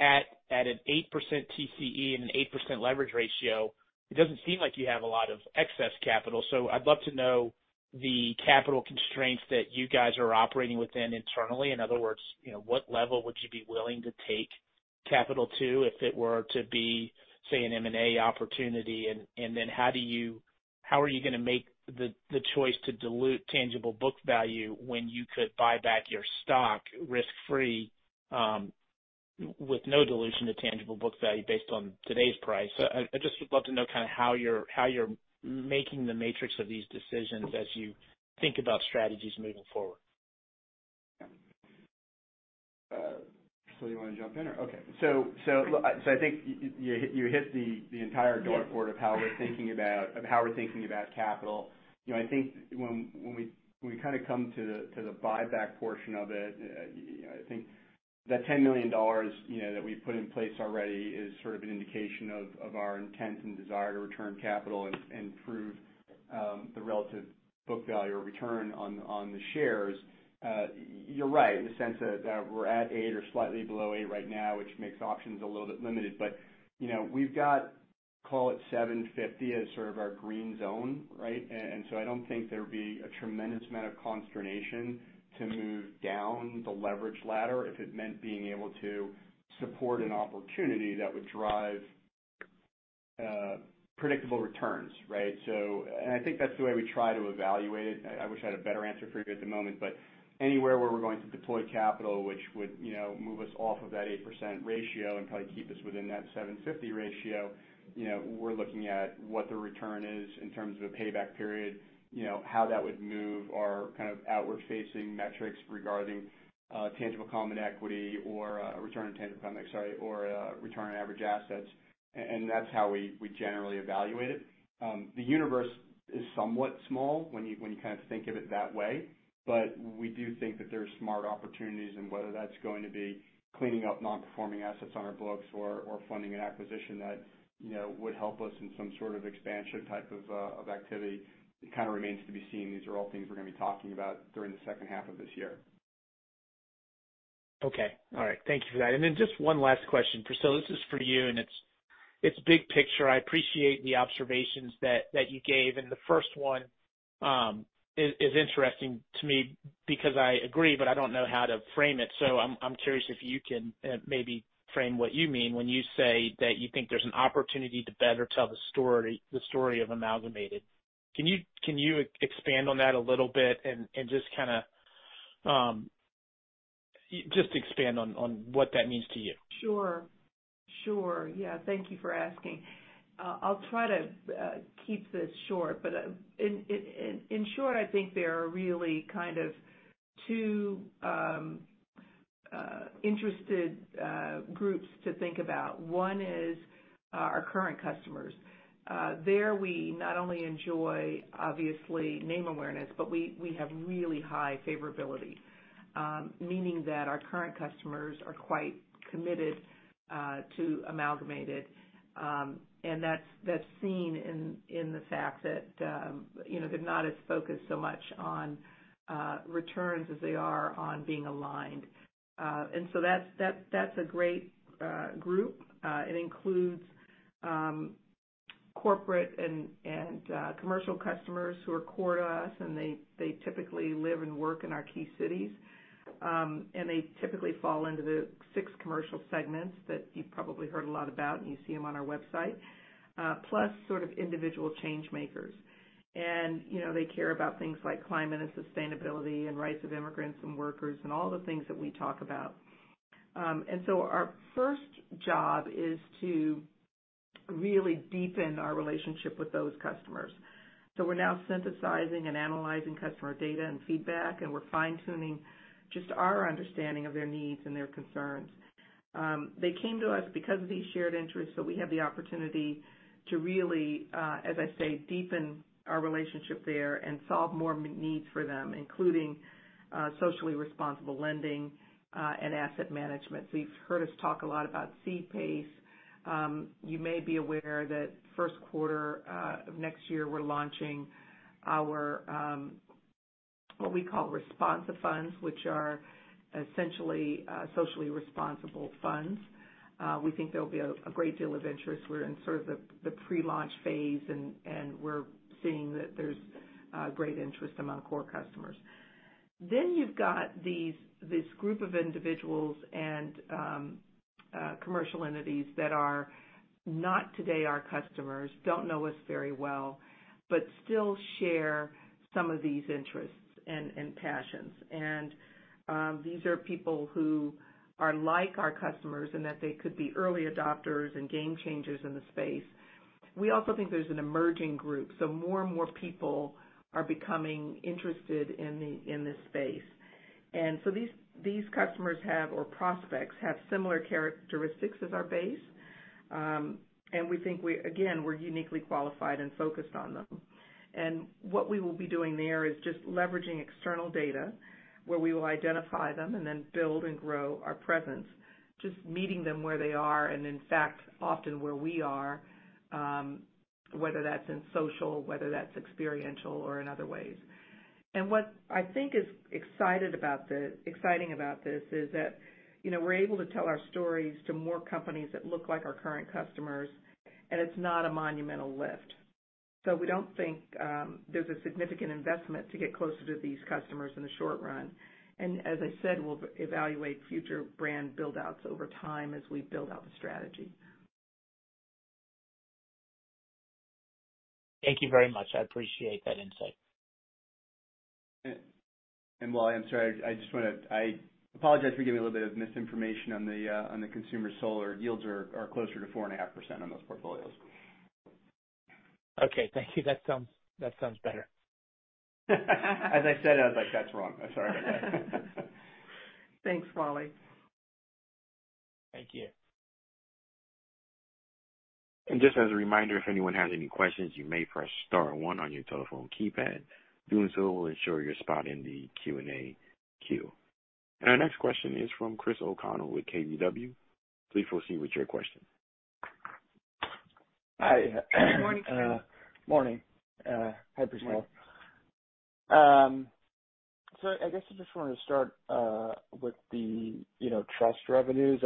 At an 8% TCE and an 8% leverage ratio, it doesn't seem like you have a lot of excess capital. I'd love to know the capital constraints that you guys are operating within internally. In other words, what level would you be willing to take capital to if it were to be, say, an M&A opportunity? How are you going to make the choice to dilute tangible book value when you could buy back your stock risk-free, with no dilution to tangible book value based on today's price? I just would love to know kind of how you're making the matrix of these decisions as you think about strategies moving forward. Do you want to jump in? Okay. I think you hit the entire dartboard of how we're thinking about capital. I think when we kind of come to the buyback portion of it, I think that $10 million that we've put in place already is sort of an indication of our intent and desire to return capital and improve the relative book value or return on the shares. You're right in the sense that we're at 8% or slightly below 8% right now, which makes options a little bit limited. We've got, call it 750 as sort of our green zone, right? I don't think there'd be a tremendous amount of consternation to move down the leverage ladder if it meant being able to support an opportunity that would drive predictable returns, right? I think that's the way we try to evaluate it. I wish I had a better answer for you at the moment, but anywhere where we're going to deploy capital, which would move us off of that 8% ratio and probably keep us within that 750 ratio, we're looking at what the return is in terms of a payback period. How that would move our kind of outward facing metrics regarding tangible common equity or return on tangible common, sorry, or return on average assets. That's how we generally evaluate it. The universe is somewhat small when you kind of think of it that way, but we do think that there's smart opportunities, and whether that's going to be cleaning up nonperforming assets on our books or funding an acquisition that would help us in some sort of expansion type of activity. It kind of remains to be seen. These are all things we're going to be talking about during the second half of this year. Okay. All right. Thank you for that. Just one last question. Priscilla, this is for you, and it's big picture. I appreciate the observations that you gave. The first one is interesting to me because I agree, but I don't know how to frame it. I'm curious if you can maybe frame what you mean when you say that you think there's an opportunity to better tell the story of Amalgamated. Can you expand on that a little bit and just expand on what that means to you? Sure. Yeah. Thank you for asking. I'll try to keep this short. In short, I think there are really kind of two interested groups to think about. One is our current customers. There, we not only enjoy, obviously, name awareness, but we have really high favorability, meaning that our current customers are quite committed to Amalgamated. That's seen in the fact that they're not as focused so much on returns as they are on being aligned. That's a great group. It includes corporate and commercial customers who are core to us, and they typically live and work in our key cities. They typically fall into the six commercial segments that you've probably heard a lot about, and you see them on our website. Plus sort of individual change makers. They care about things like climate and sustainability and rights of immigrants and workers, and all the things that we talk about. Our first job is to really deepen our relationship with those customers. We're now synthesizing and analyzing customer data and feedback, and we're fine-tuning just our understanding of their needs and their concerns. They came to us because of these shared interests, so we have the opportunity to really, as I say, deepen our relationship there and solve more needs for them, including socially responsible lending and asset management. You've heard us talk a lot about C-PACE. You may be aware that first quarter of next year, we're launching what we call ResponsiFunds, which are essentially socially responsible funds. We think there'll be a great deal of interest. We're in sort of the pre-launch phase, and we're seeing that there's great interest among core customers. You've got this group of individuals and commercial entities that are not today our customers, don't know us very well, but still share some of these interests and passions. These are people who are like our customers in that they could be early adopters and game changers in the space. We also think there's an emerging group, so more and more people are becoming interested in this space. These customers have, or prospects have similar characteristics as our base. We think we, again, we're uniquely qualified and focused on them. What we will be doing there is just leveraging external data where we will identify them and then build and grow our presence, just meeting them where they are, and in fact, often where we are, whether that's in social, whether that's experiential or in other ways. What I think is exciting about this is that we're able to tell our stories to more companies that look like our current customers, and it's not a monumental lift. We don't think there's a significant investment to get closer to these customers in the short run. As I said, we'll evaluate future brand buildouts over time as we build out the strategy. Thank you very much. I appreciate that insight. Wally, I'm sorry. I apologize for giving you a little bit of misinformation on the consumer solar yields are closer to 4.5% on those portfolios. Okay. Thank you. That sounds better. As I said, I was like, "That's wrong." I'm sorry about that. Thanks, Wally. Thank you. Just as a reminder, if anyone has any questions, you may press star one on your telephone keypad. Doing so will ensure your spot in the Q&A queue. Our next question is from Chris O'Connell with KBW. Please proceed with your question. Hi. Morning, Chris. Morning. Hi, Priscilla. I guess I just wanted to start with the trust revenues.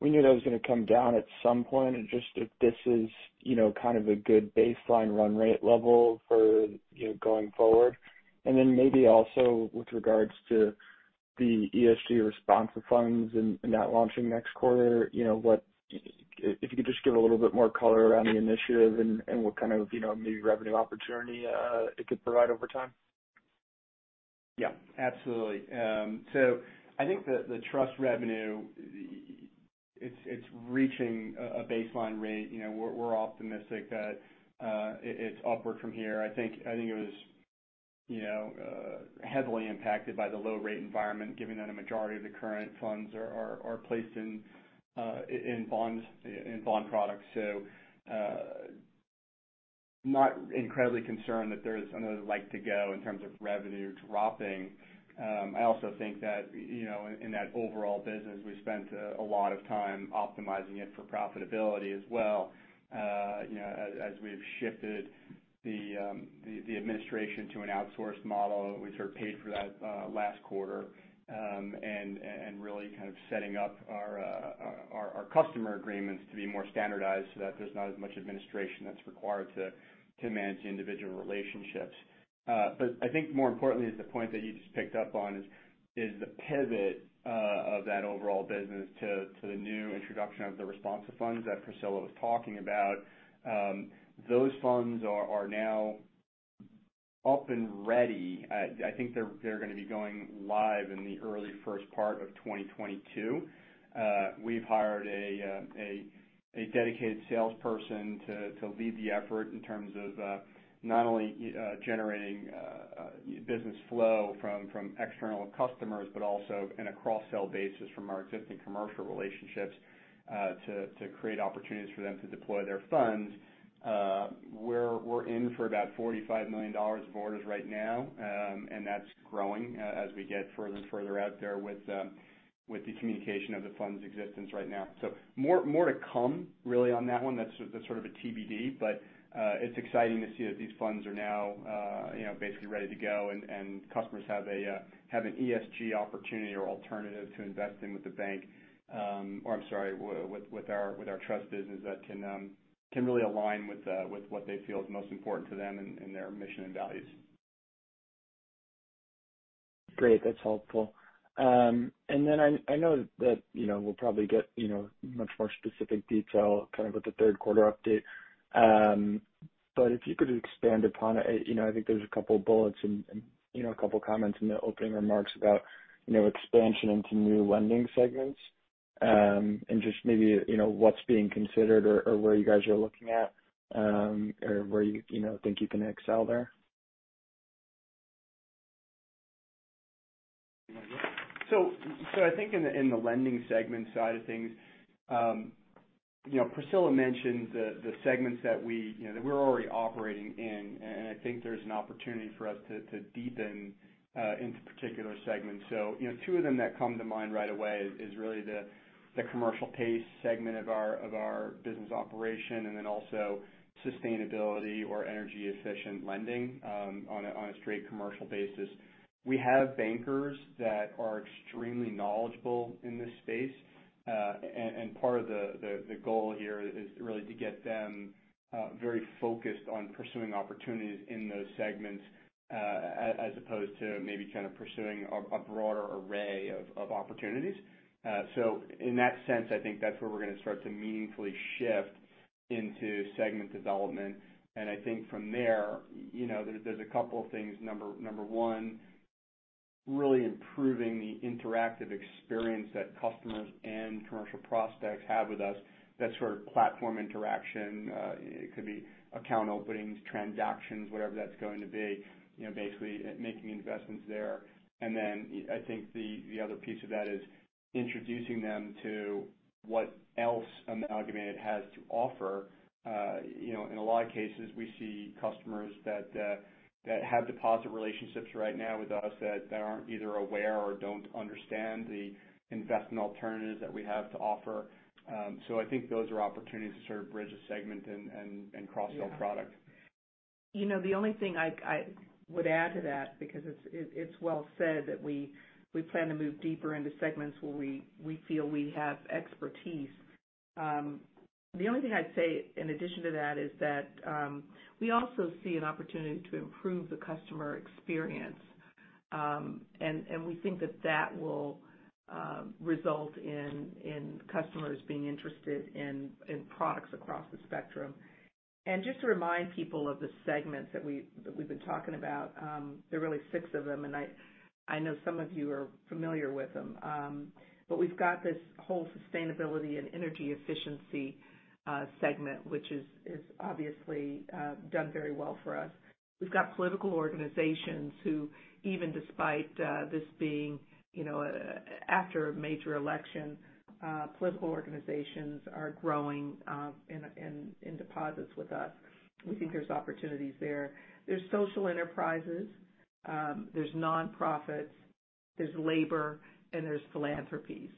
We knew that was going to come down at some point, and just if this is kind of a good baseline run rate level for going forward. Then maybe also with regards to the ESG ResponsiFunds and that launching next quarter, if you could just give a little bit more color around the initiative and what kind of maybe revenue opportunity it could provide over time. Yeah, absolutely. I think the trust revenue, it's reaching a baseline rate. We're optimistic that it's upward from here. I think it was heavily impacted by the low rate environment, given that a majority of the current funds are placed in bond products. Not incredibly concerned that there's another leg to go in terms of revenue dropping. I also think that in that overall business, we spent a lot of time optimizing it for profitability as well. As we've shifted the administration to an outsourced model, we sort of paid for that last quarter, and really kind of setting up our customer agreements to be more standardized so that there's not as much administration that's required to manage individual relationships. I think more importantly is the point that you just picked up on is the pivot of that overall business to the new introduction of the ResponsiFunds that Priscilla was talking about. Those funds are now up and ready. I think they're going to be going live in the early first part of 2022. We've hired a dedicated salesperson to lead the effort in terms of not only generating business flow from external customers, but also in a cross-sell basis from our existing commercial relationships, to create opportunities for them to deploy their funds. We're in for about $45 million of orders right now. That's growing as we get further and further out there with the communication of the fund's existence right now. More to come really on that one. That's sort of a TBD, but it's exciting to see that these funds are now basically ready to go and customers have an ESG opportunity or alternative to investing or I'm sorry, with our trust business that can really align with what they feel is most important to them and their mission and values. Great. That's helpful. I know that we'll probably get much more specific detail kind of with the third quarter update. If you could expand upon it, I think there's a couple of bullets and a couple of comments in the opening remarks about expansion into new lending segments. Just maybe what's being considered or where you guys are looking at, or where you think you can excel there? I think in the lending segment side of things, Priscilla mentioned the segments that we are already operating in, I think there is an opportunity for us to deepen into particular segments. Two of them that come to mind right away is really the commercial commercial PACE segment of our business operation, sustainability or energy efficient lending on a straight commercial basis. We have bankers that are extremely knowledgeable in this space. Part of the goal here is really to get them very focused on pursuing opportunities in those segments, as opposed to maybe kind of pursuing a broader array of opportunities. In that sense, I think that is where we are going to start to meaningfully shift into segment development. I think from there is a couple of things. Number one, really improving the interactive experience that customers and commercial prospects have with us. That sort of platform interaction. It could be account openings, transactions, whatever that's going to be. Basically making investments there. I think the other piece of that is introducing them to what else Amalgamated has to offer. In a lot of cases, we see customers that have deposit relationships right now with us that aren't either aware or don't understand the investment alternatives that we have to offer. I think those are opportunities to sort of bridge a segment and cross-sell product. The only thing I would add to that, because it's well said that we plan to move deeper into segments where we feel we have expertise. The only thing I'd say in addition to that is that we also see an opportunity to improve the customer experience. We think that that will result in customers being interested in products across the spectrum. Just to remind people of the segments that we've been talking about. There are really six of them, and I know some of you are familiar with them. We've got this whole sustainability and energy efficiency segment, which has obviously done very well for us. We've got political organizations who, even despite this being after a major election, political organizations are growing in deposits with us. We think there's opportunities there. There's social enterprises, there's nonprofits, there's labor, and there's philanthropies.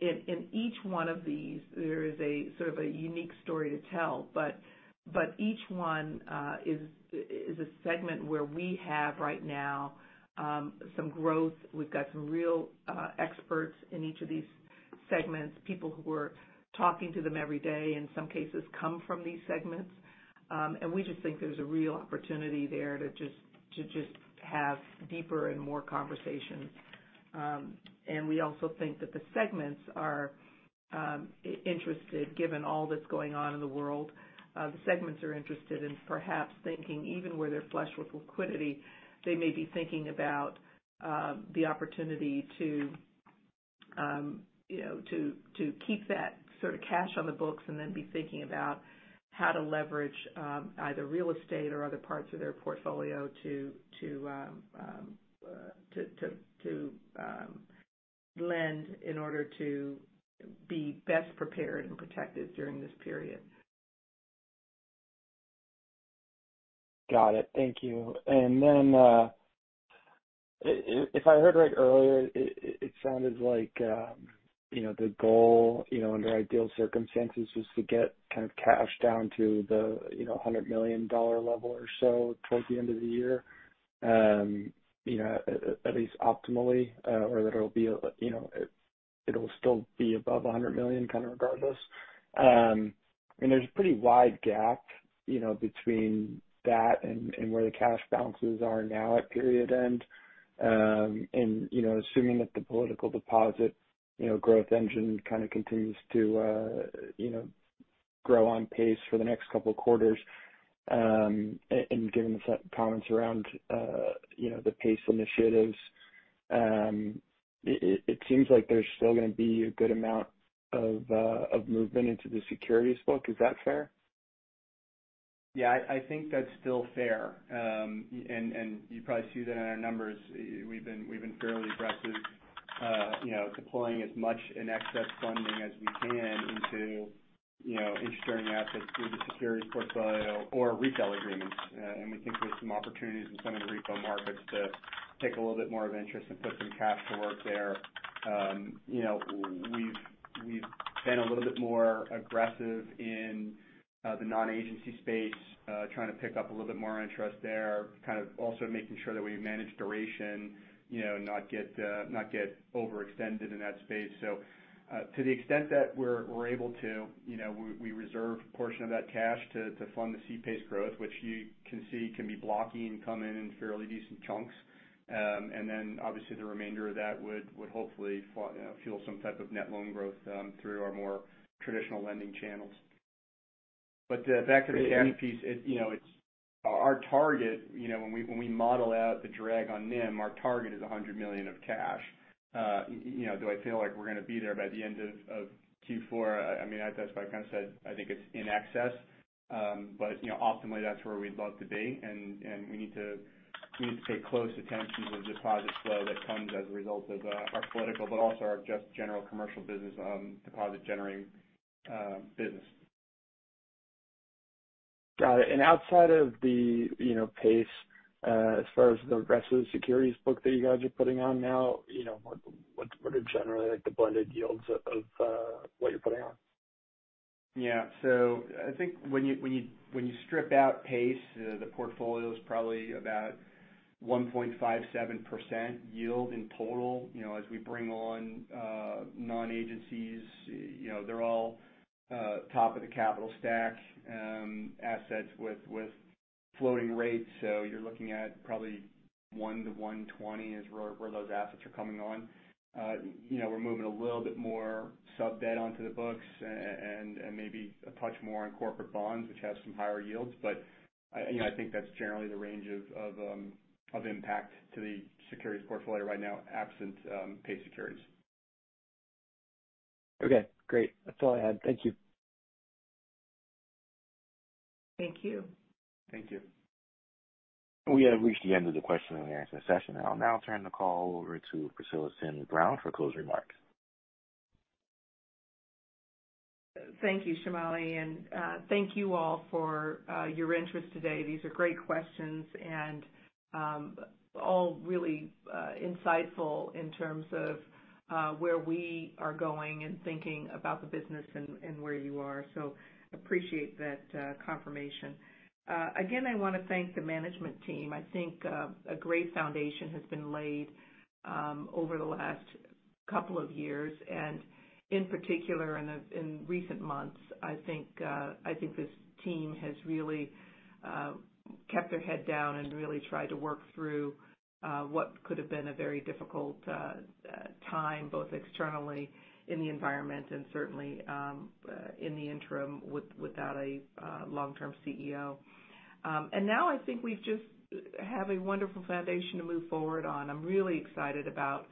In each one of these, there is a sort of a unique story to tell. Each one is a segment where we have right now some growth. We've got some real experts in each of these segments, people who are talking to them every day, in some cases, come from these segments. We just think there's a real opportunity there to just have deeper and more conversations. We also think that the segments are interested, given all that's going on in the world. The segments are interested in perhaps thinking even where they're flush with liquidity. They may be thinking about the opportunity to keep that sort of cash on the books and then be thinking about how to leverage either real estate or other parts of their portfolio to lend in order to be best prepared and protected during this period. Got it. Thank you. If I heard right earlier, it sounded like the goal under ideal circumstances was to get kind of cash down to the $100 million level or so towards the end of the year, at least optimally, or that it'll still be above $100 million kind of regardless. I mean, there's a pretty wide gap between that and where the cash balances are now at period end. Assuming that the political deposit growth engine kind of continues to grow on pace for the next couple of quarters, and given the comments around the PACE initiatives, it seems like there's still going to be a good amount of movement into the securities book. Is that fair? Yeah, I think that's still fair. You probably see that in our numbers. We've been fairly aggressive deploying as much in excess funding as we can into interest-earning assets through the securities portfolio or retail agreements. We think there's some opportunities in some of the repo markets to take a little bit more of interest and put some cash to work there. We've been a little bit more aggressive in the non-agency space, trying to pick up a little bit more interest there, kind of also making sure that we manage duration, not get overextended in that space. To the extent that we're able to, we reserve a portion of that cash to fund the C-PACE growth, which you can see can be blocky and come in in fairly decent chunks. Obviously the remainder of that would hopefully fuel some type of net loan growth through our more traditional lending channels. Back to the ending piece, our target when we model out the drag on NIM, our target is $100 million of cash. Do I feel like we're going to be there by the end of Q4? I mean, that's why I kind of said, I think it's in excess. Optimally, that's where we'd love to be, and we need to pay close attention to the deposit flow that comes as a result of our political, but also our just general commercial business deposit-generating business. Got it. Outside of the PACE, as far as the rest of the securities book that you guys are putting on now, what are generally the blended yields of what you're putting on? Yeah. I think when you strip out PACE, the portfolio is probably about 1.57% yield in total. As we bring on non-agencies, they're all top of the capital stack assets with floating rates. You're looking at probably 1%-1.20% is where those assets are coming on. We're moving a little bit more sub-debt onto the books and maybe a touch more on corporate bonds, which have some higher yields. I think that's generally the range of impact to the securities portfolio right now, absent PACE securities. Okay, great. That's all I had. Thank you. Thank you. Thank you. We have reached the end of the question and answer session. I'll now turn the call over to Priscilla Sims Brown for closing remarks. Thank you, Shamali. Thank you all for your interest today. These are great questions and all really insightful in terms of where we are going and thinking about the business and where you are. Appreciate that confirmation. Again, I want to thank the management team. I think a great foundation has been laid over the last couple of years, and in particular in recent months. I think this team has really kept their head down and really tried to work through what could have been a very difficult time, both externally in the environment and certainly in the interim without a long-term CEO. Now I think we just have a wonderful foundation to move forward on. I'm really excited about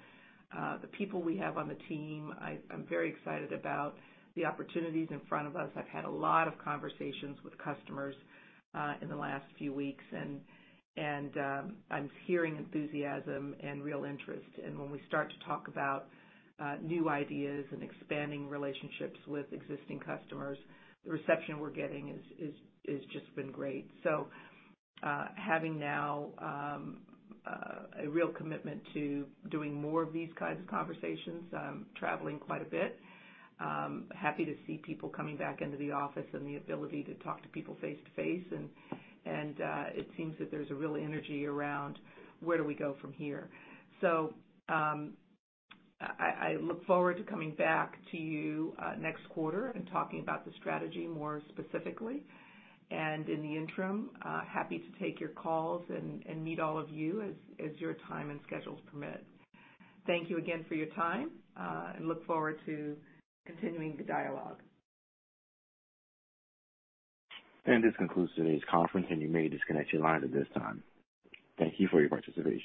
the people we have on the team. I'm very excited about the opportunities in front of us. I've had a lot of conversations with customers in the last few weeks. I'm hearing enthusiasm and real interest. When we start to talk about new ideas and expanding relationships with existing customers, the reception we're getting has just been great. Having now a real commitment to doing more of these kinds of conversations. I'm traveling quite a bit. Happy to see people coming back into the office and the ability to talk to people face to face. It seems that there's a real energy around where do we go from here. I look forward to coming back to you next quarter and talking about the strategy more specifically, and in the interim, happy to take your calls and meet all of you as your time and schedules permit. Thank you again for your time, and look forward to continuing the dialogue. This concludes today's conference, and you may disconnect your lines at this time. Thank you for your participation.